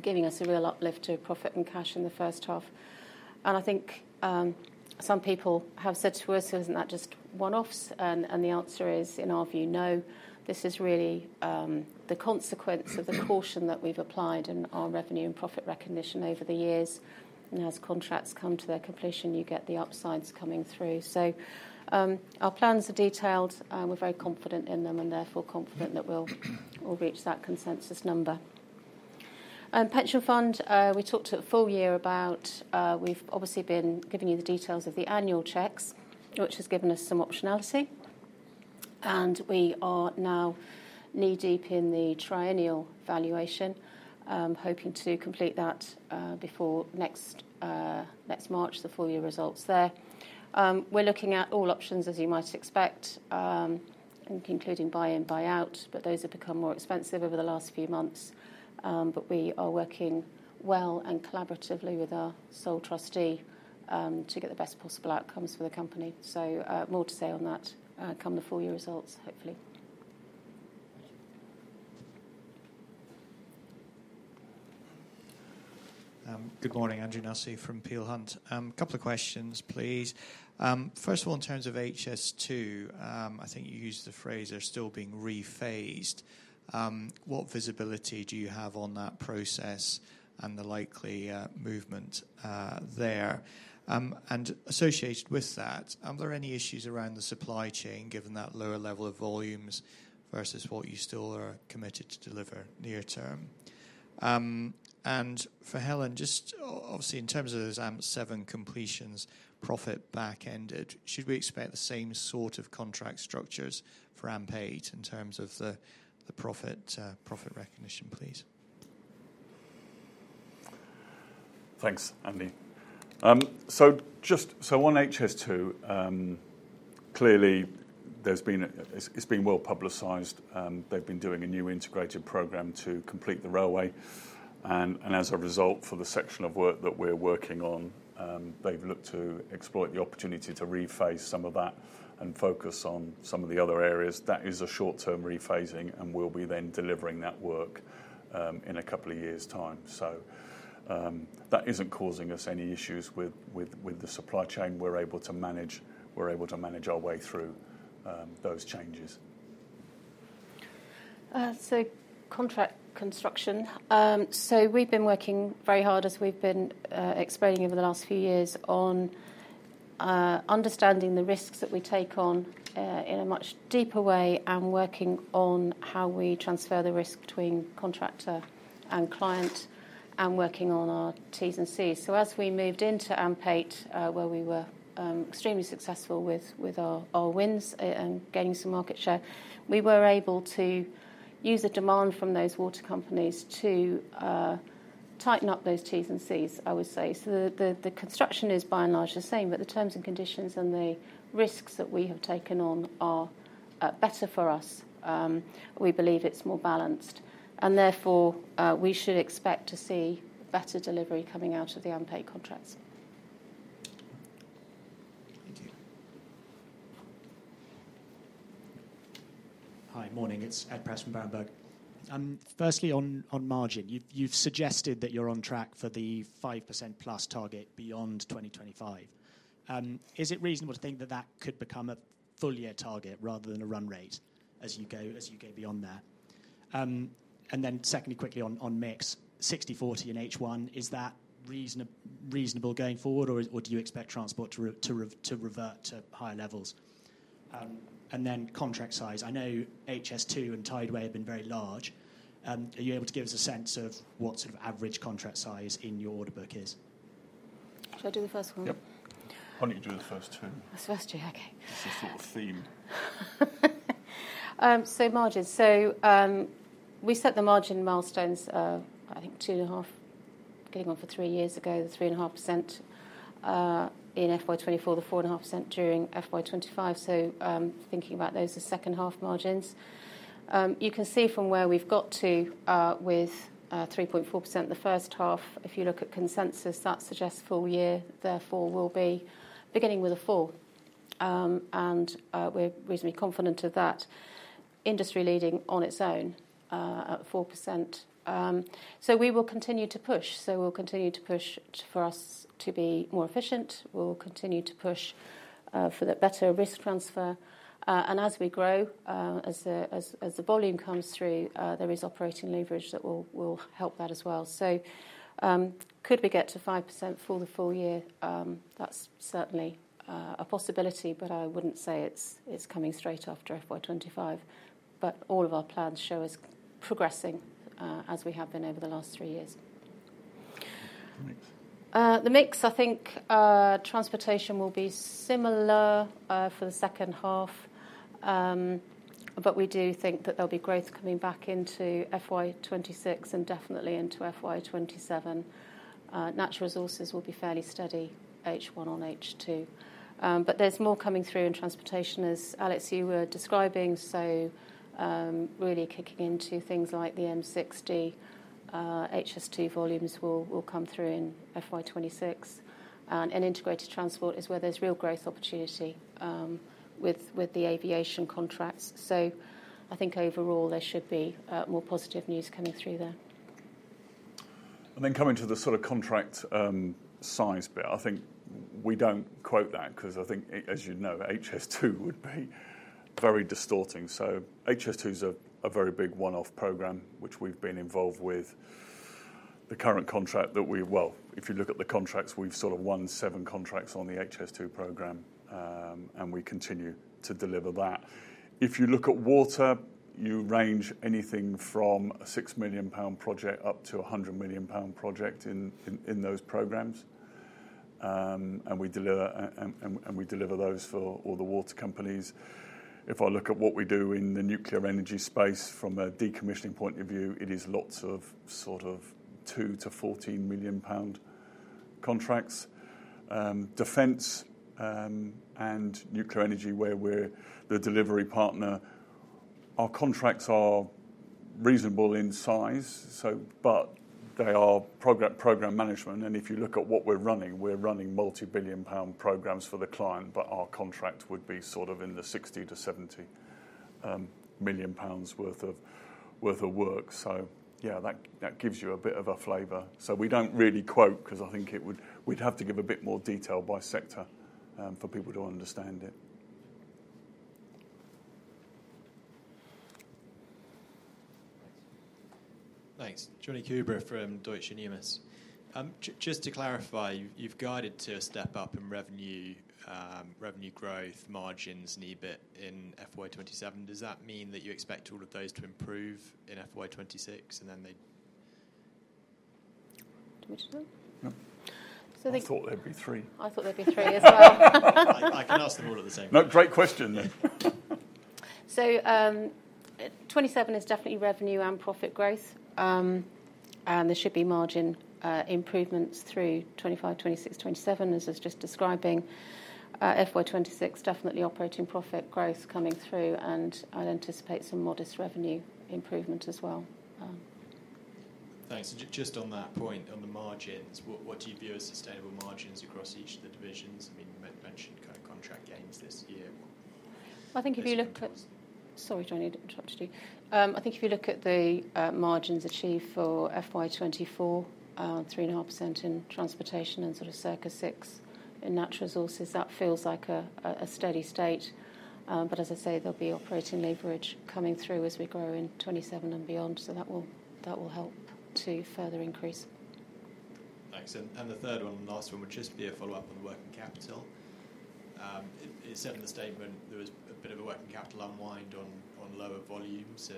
giving us a real uplift to profit and cash in the first half. I think some people have said to us, isn't that just one-offs? The answer is, in our view, no. This is really the consequence of the caution that we've applied in our revenue and profit recognition over the years. As contracts come to their completion, you get the upsides coming through. Our plans are detailed. We're very confident in them, and therefore confident that we'll reach that consensus number. Pension fund, we talked at full year about, we've obviously been giving you the details of the annual checks, which has given us some optionality. We are now knee-deep in the triennial valuation, hoping to complete that before next March, the full year results there. We're looking at all options, as you might expect, including buy-in, buy-out, but those have become more expensive over the last few months. We are working well and collaboratively with our sole trustee to get the best possible outcomes for the company. More to say on that come the full year results, hopefully. Good morning, Andrew Nussey from Peel Hunt. A couple of questions, please. First of all, in terms of HS2, I think you used the phrase they're still being rephased. What visibility do you have on that process and the likely movement there? Associated with that, are there any issues around the supply chain, given that lower level of volumes versus what you still are committed to deliver near term? For Helen, just obviously in terms of those AMP7 completions, profit back-ended, should we expect the same sort of contract structures for AMP8 in terms of the profit recognition, please? Thanks, Andy. On HS2, clearly it's been well publicized. They've been doing a new integrated program to complete the railway. As a result, for the section of work that we're working on, they've looked to exploit the opportunity to rephase some of that and focus on some of the other areas. That is a short-term rephasing and will be then delivering that work in a couple of years' time. That isn't causing us any issues with the supply chain. We're able to manage our way through those changes. Contract construction. We've been working very hard, as we've been explaining over the last few years, on understanding the risks that we take on in a much deeper way and working on how we transfer the risk between contractor and client and working on our Ts and Cs. As we moved into AMP8, where we were extremely successful with our wins and gaining some market share, we were able to use the demand from those water companies to tighten up those Ts and Cs, I would say. The construction is by and large the same, but the terms and conditions and the risks that we have taken on are better for us. We believe it's more balanced. Therefore, we should expect to see better delivery coming out of the AMP8 contracts. Thank you. Hi, morning. It's [Ed Prass from Bamberg]. Firstly, on margin, you've suggested that you're on track for the 5%+ target beyond 2025. Is it reasonable to think that that could become a full year target rather than a run rate as you go beyond that? Secondly, quickly on mix, 60/40 in H1, is that reasonable going forward or do you expect transport to revert to higher levels? Contract size, I know HS2 and Tideway have been very large. Are you able to give us a sense of what sort of average contract size in your order book is? Should I do the first one? I'll let you do the first two. The first two, okay. It's a sort of theme. Margins, we set the margin milestones, I think two and a half, getting on for three years ago, the 3.5% in FY 2024, the 4.5% during FY 2025. Thinking about those as second half margins, you can see from where we've got to with 3.4% the first half. If you look at consensus, that suggests full year, therefore we'll be beginning with a full. We're reasonably confident of that industry leading on its own at 4%. We will continue to push. We'll continue to push for us to be more efficient. We'll continue to push for the better risk transfer. As we grow, as the volume comes through, there is operating leverage that will help that as well. Could we get to 5% for the full year? That's certainly a possibility, but I wouldn't say it's coming straight after FY 2025. All of our plans show us progressing as we have been over the last three years. The mix, I think transportation will be similar for the second half. We do think that there'll be growth coming back into FY 2026 and definitely into FY 2027. Natural resources will be fairly steady H1 on H2. There's more coming through in transportation, as Alex, you were describing. Really kicking into things like the M60, HS2 volumes will come through in FY 2026. Integrated transport is where there's real growth opportunity with the aviation contracts. I think overall there should be more positive news coming through there. Coming to the sort of contract size bit, we don't quote that because, as you know, HS2 would be very distorting. HS2 is a very big one-off program, which we've been involved with. The current contract that we, if you look at the contracts, we've won seven contracts on the HS2 program, and we continue to deliver that. If you look at water, you range anything from a 6 million pound project up to a 100 million pound project in those programs. We deliver those for all the water companies. If I look at what we do in the nuclear energy space from a decommissioning point of view, it is lots of 2 million-14 million pound contracts. Defence and nuclear energy, where we're the delivery partner, our contracts are reasonable in size, but they are program management. If you look at what we're running, we're running multi-billion pound programs for the client, but our contracts would be in the 60 million-70 million pounds worth of work. That gives you a bit of a flavor. We don't really quote because we'd have to give a bit more detail by sector for people to understand it. Thanks. [Johnny Kuber] from Deutsche Numis. Just to clarify, you've guided to a step up in revenue, revenue growth, margins, and EBIT in FY 2027. Does that mean that you expect all of those to improve in FY 2026 and then they? Do we do? No. So they. I thought there'd be three. I thought there'd be three as well. I can ask them all at the same time. Great question. 2027 is definitely revenue and profit growth. There should be margin improvements through 2025, 2026, 2027, as I was just describing. FY 2026, definitely operating profit growth coming through, and I'd anticipate some modest revenue improvement as well. Thanks. Just on that point, on the margins, what do you view as sustainable margins across each of the divisions? You mentioned contract gains this year. If you look at the margins achieved for FY 2024, 3.5% in transportation and sort of circa 6% in natural resources, that feels like a steady state. As I say, there'll be operating leverage coming through as we grow in 2027 and beyond. That will help to further increase. Thanks. The third one and last one, which is to be a follow-up on the working capital. It's certainly a statement. There was a bit of a working capital unwind on lower volumes.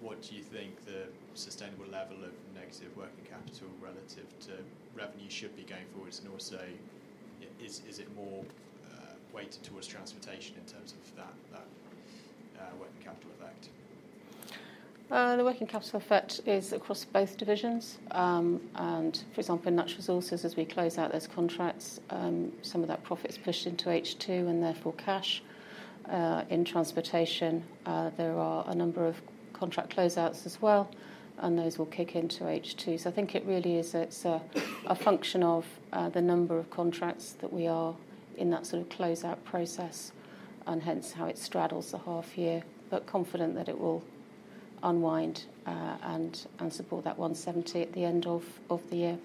What do you think the sustainable level of negative working capital relative to revenue should be going forward? Also, is it more weighted towards transportation in terms of that working capital effect? The working capital effect is across both divisions. For example, in natural resources, as we close out those contracts, some of that profit is pushed into H2 and therefore cash. In transportation, there are a number of contract closeouts as well, and those will kick into H2. I think it really is a function of the number of contracts that we are in that sort of closeout process, and hence how it straddles the half year, but confident that it will unwind and support that 170 million at the end of the year.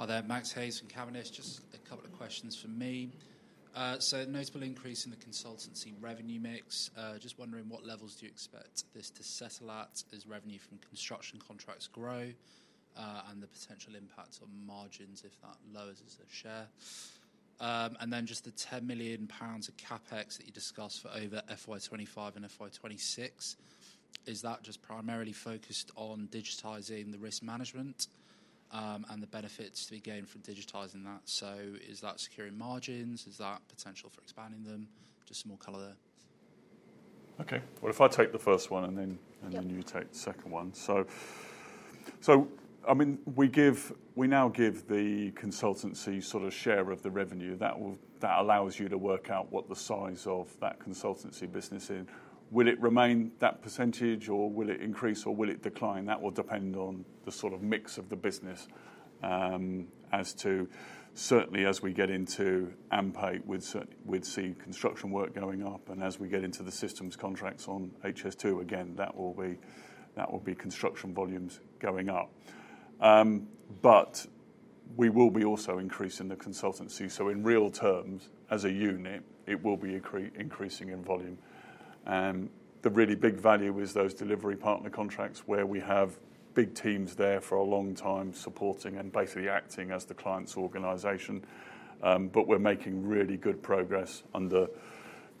Hi there, Max Hayes from Cabinet. Just a couple of questions from me. A notable increase in the consultancy revenue mix. What levels do you expect this to settle at as revenue from construction contracts grow and the potential impact on margins if that lowers as a share? The 10 million pounds of CapEx that you discussed for over FY 2025 and FY 2026, is that just primarily focused on digitizing the risk management and the benefits to be gained from digitizing that? Is that securing margins? Is that potential for expanding them? Just some more color there. Okay, if I take the first one and then you take the second one. I mean, we give, we now give the consultancy sort of share of the revenue. That allows you to work out what the size of that consultancy business is. Will it remain that % or will it increase or will it decline? That will depend on the sort of mix of the business as to certainly as we get into AMP8 we'd see construction work going up and as we get into the systems contracts on HS2 again that will be construction volumes going up. We will be also increasing the consultancy. In real terms, as a unit, it will be increasing in volume. The really big value is those delivery partner contracts where we have big teams there for a long time supporting and basically acting as the client's organization. We're making really good progress under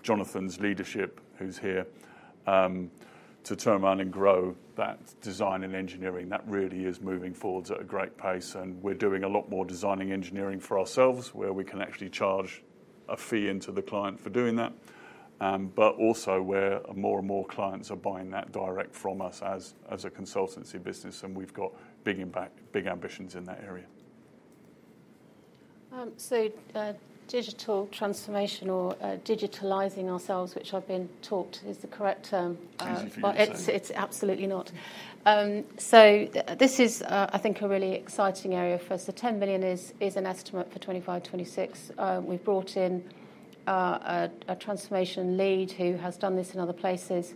Jonathan's leadership, who's here, to turn around and grow that design and engineering. That really is moving forwards at a great pace. We're doing a lot more design and engineering for ourselves where we can actually charge a fee into the client for doing that. Also, more and more clients are buying that direct from us as a consultancy business. We've got big ambitions in that area. Digital transformation or digitalizing ourselves, which I've been taught is the correct term, is absolutely not. I think this is a really exciting area for us. The 10 million is an estimate for 2025, 2026. We've brought in a transformation lead who has done this in other places,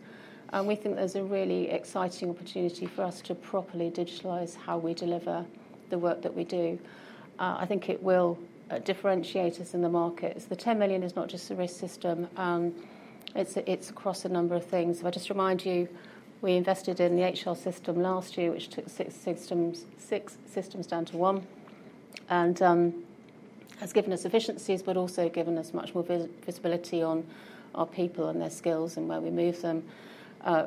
and we think there's a really exciting opportunity for us to properly digitalize how we deliver the work that we do. I think it will differentiate us in the markets. The 10 million is not just a risk system; it's across a number of things. If I just remind you, we invested in the HR system last year, which took six systems down to one and has given us efficiencies, but also given us much more visibility on our people and their skills and where we move them.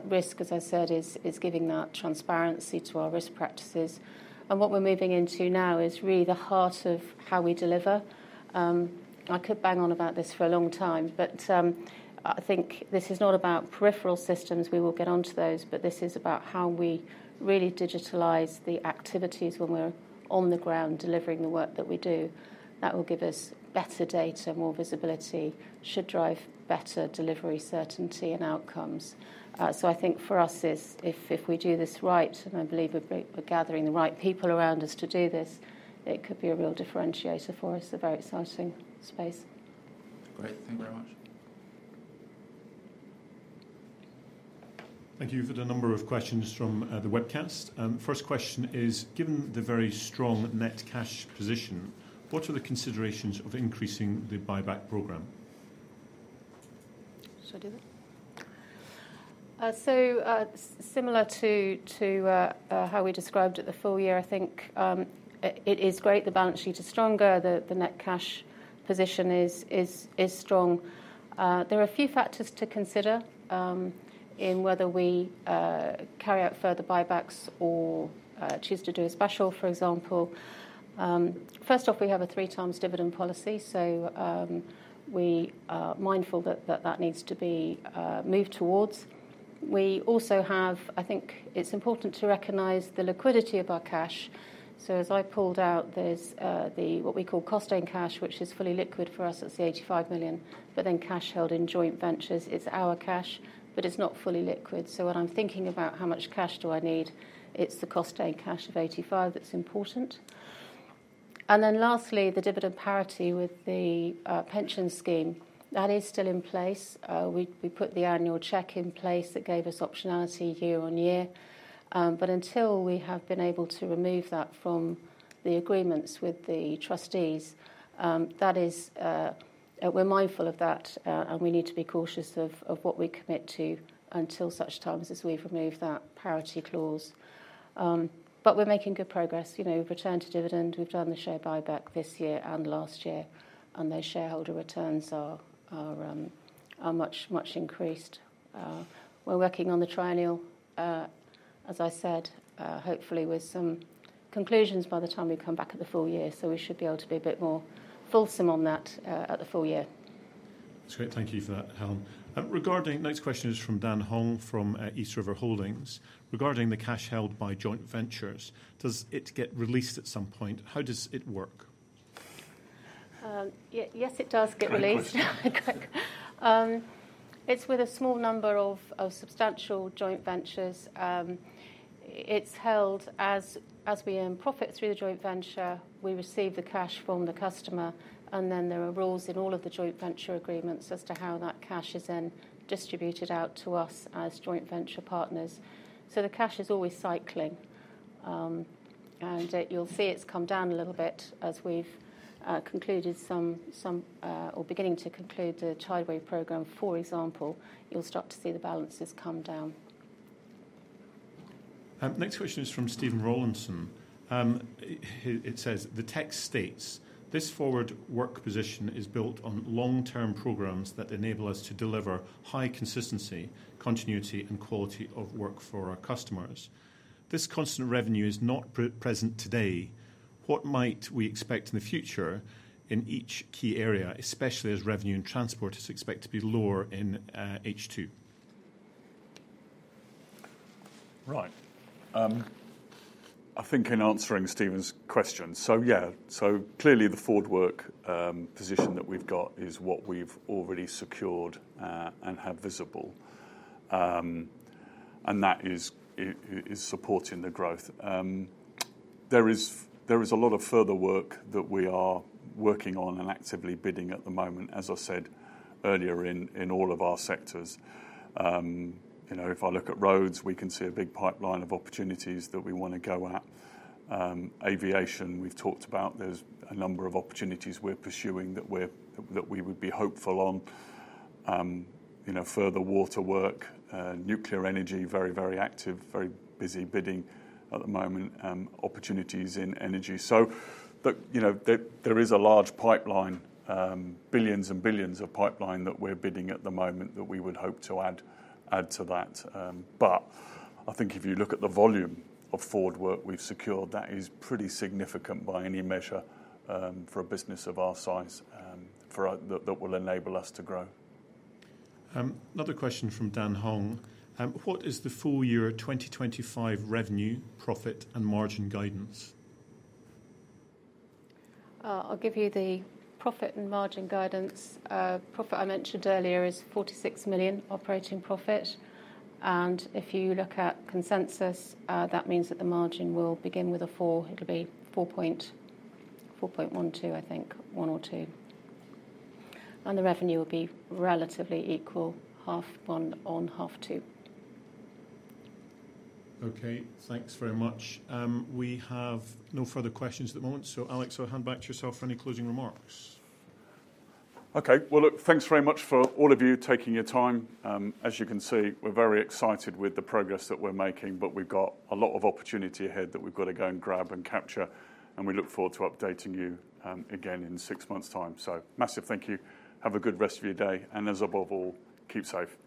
Risk, as I said, is giving that transparency to our risk practices. What we're moving into now is really the heart of how we deliver. I could bang on about this for a long time, but I think this is not about peripheral systems. We will get onto those, but this is about how we really digitalize the activities when we're on the ground delivering the work that we do. That will give us better data and more visibility, should drive better delivery certainty and outcomes. I think for us, if we do this right, and I believe we're gathering the right people around us to do this, it could be a real differentiator for us, a very exciting space. Great, thank you very much. Thank you for the number of questions from the webcast. First question is, given the very strong net cash position, what are the considerations of increasing the buyback program? Similar to how we described it at the full year, I think it is great. The balance sheet is stronger, the net cash position is strong. There are a few factors to consider. Whether we carry out further buybacks or choose to do a special, for example, first off, we have a three-times dividend policy, so we are mindful that that needs to be moved towards. We also have, I think it's important to recognize the liquidity of our cash. As I pulled out, there's what we call Costain cash, which is fully liquid for us. It's the 85 million, but then cash held in joint ventures. It's our cash, but it's not fully liquid. When I'm thinking about how much cash do I need, it's the Costain cash of 85 million that's important. Lastly, the dividend parity with the pension scheme, that is still in place. We put the annual check in place that gave us optionality year on year, but until we have been able to remove that from the agreements with the trustees, we're mindful of that and we need to be cautious of what we commit to until such times as we've removed that parity clause. We're making good progress. Return to dividend, we've done the share buyback this year and last year, and those shareholder returns are much, much increased. We're working on the triennial, as I said, hopefully with some conclusions by the time we come back at the full year, so we should be able to be a bit more fulsome on that at the full year. That's great. Thank you for that, Helen. Next question is from [Dan Hung] from East River Holdings. Regarding the cash held by joint ventures, does it get released at some point? How does it work? Yes, it does get released. It's with a small number of substantial joint ventures. It's held as we earn profits through the joint venture. We receive the cash from the customer, and there are rules in all of the joint venture agreements as to how that cash is then distributed out to us as joint venture partners. The cash is always cycling, and you'll see it's come down a little bit as we've concluded some, or beginning to conclude the Tideway program, for example. You'll start to see the balances come down. Next question is from Stephen Rawlinson. It says, "The text states, this forward work position is built on long-term programs that enable us to deliver high consistency, continuity, and quality of work for our customers. This constant revenue is not present today. What might we expect in the future in each key area, especially as revenue and transport is expected to be lower in H2? Right. I think in answering Stephen's question, clearly the forward work position that we've got is what we've already secured and have visible, and that is supporting the growth. There is a lot of further work that we are working on and actively bidding at the moment, as I said earlier, in all of our sectors. If I look at roads, we can see a big pipeline of opportunities that we want to go at. Aviation, we've talked about, there's a number of opportunities we're pursuing that we would be hopeful on. Further water work, nuclear energy, very, very active, very busy bidding at the moment, opportunities in energy. There is a large pipeline, billions and billions of pipeline that we're bidding at the moment that we would hope to add to that. I think if you look at the volume of forward work we've secured, that is pretty significant by any measure for a business of our size that will enable us to grow. Another question from [Dan Hung]. What is the full-year 2025 revenue, profit, and margin guidance? I'll give you the profit and margin guidance. Profit I mentioned earlier is 46 million operating profit, and if you look at consensus, that means that the margin will begin with a 4%. It'll be 4.12%, I think, 1 or 2. The revenue will be relatively equal, half bond on, half to. Okay, thanks very much. We have no further questions at the moment. Alex, I'll hand back to yourself for any closing remarks. Thank you very much for all of you taking your time. As you can see, we're very excited with the progress that we're making, but we've got a lot of opportunity ahead that we've got to go and grab and capture. We look forward to updating you again in six months' time. Massive thank you. Have a good rest of your day, and above all, keep safe. Thank you.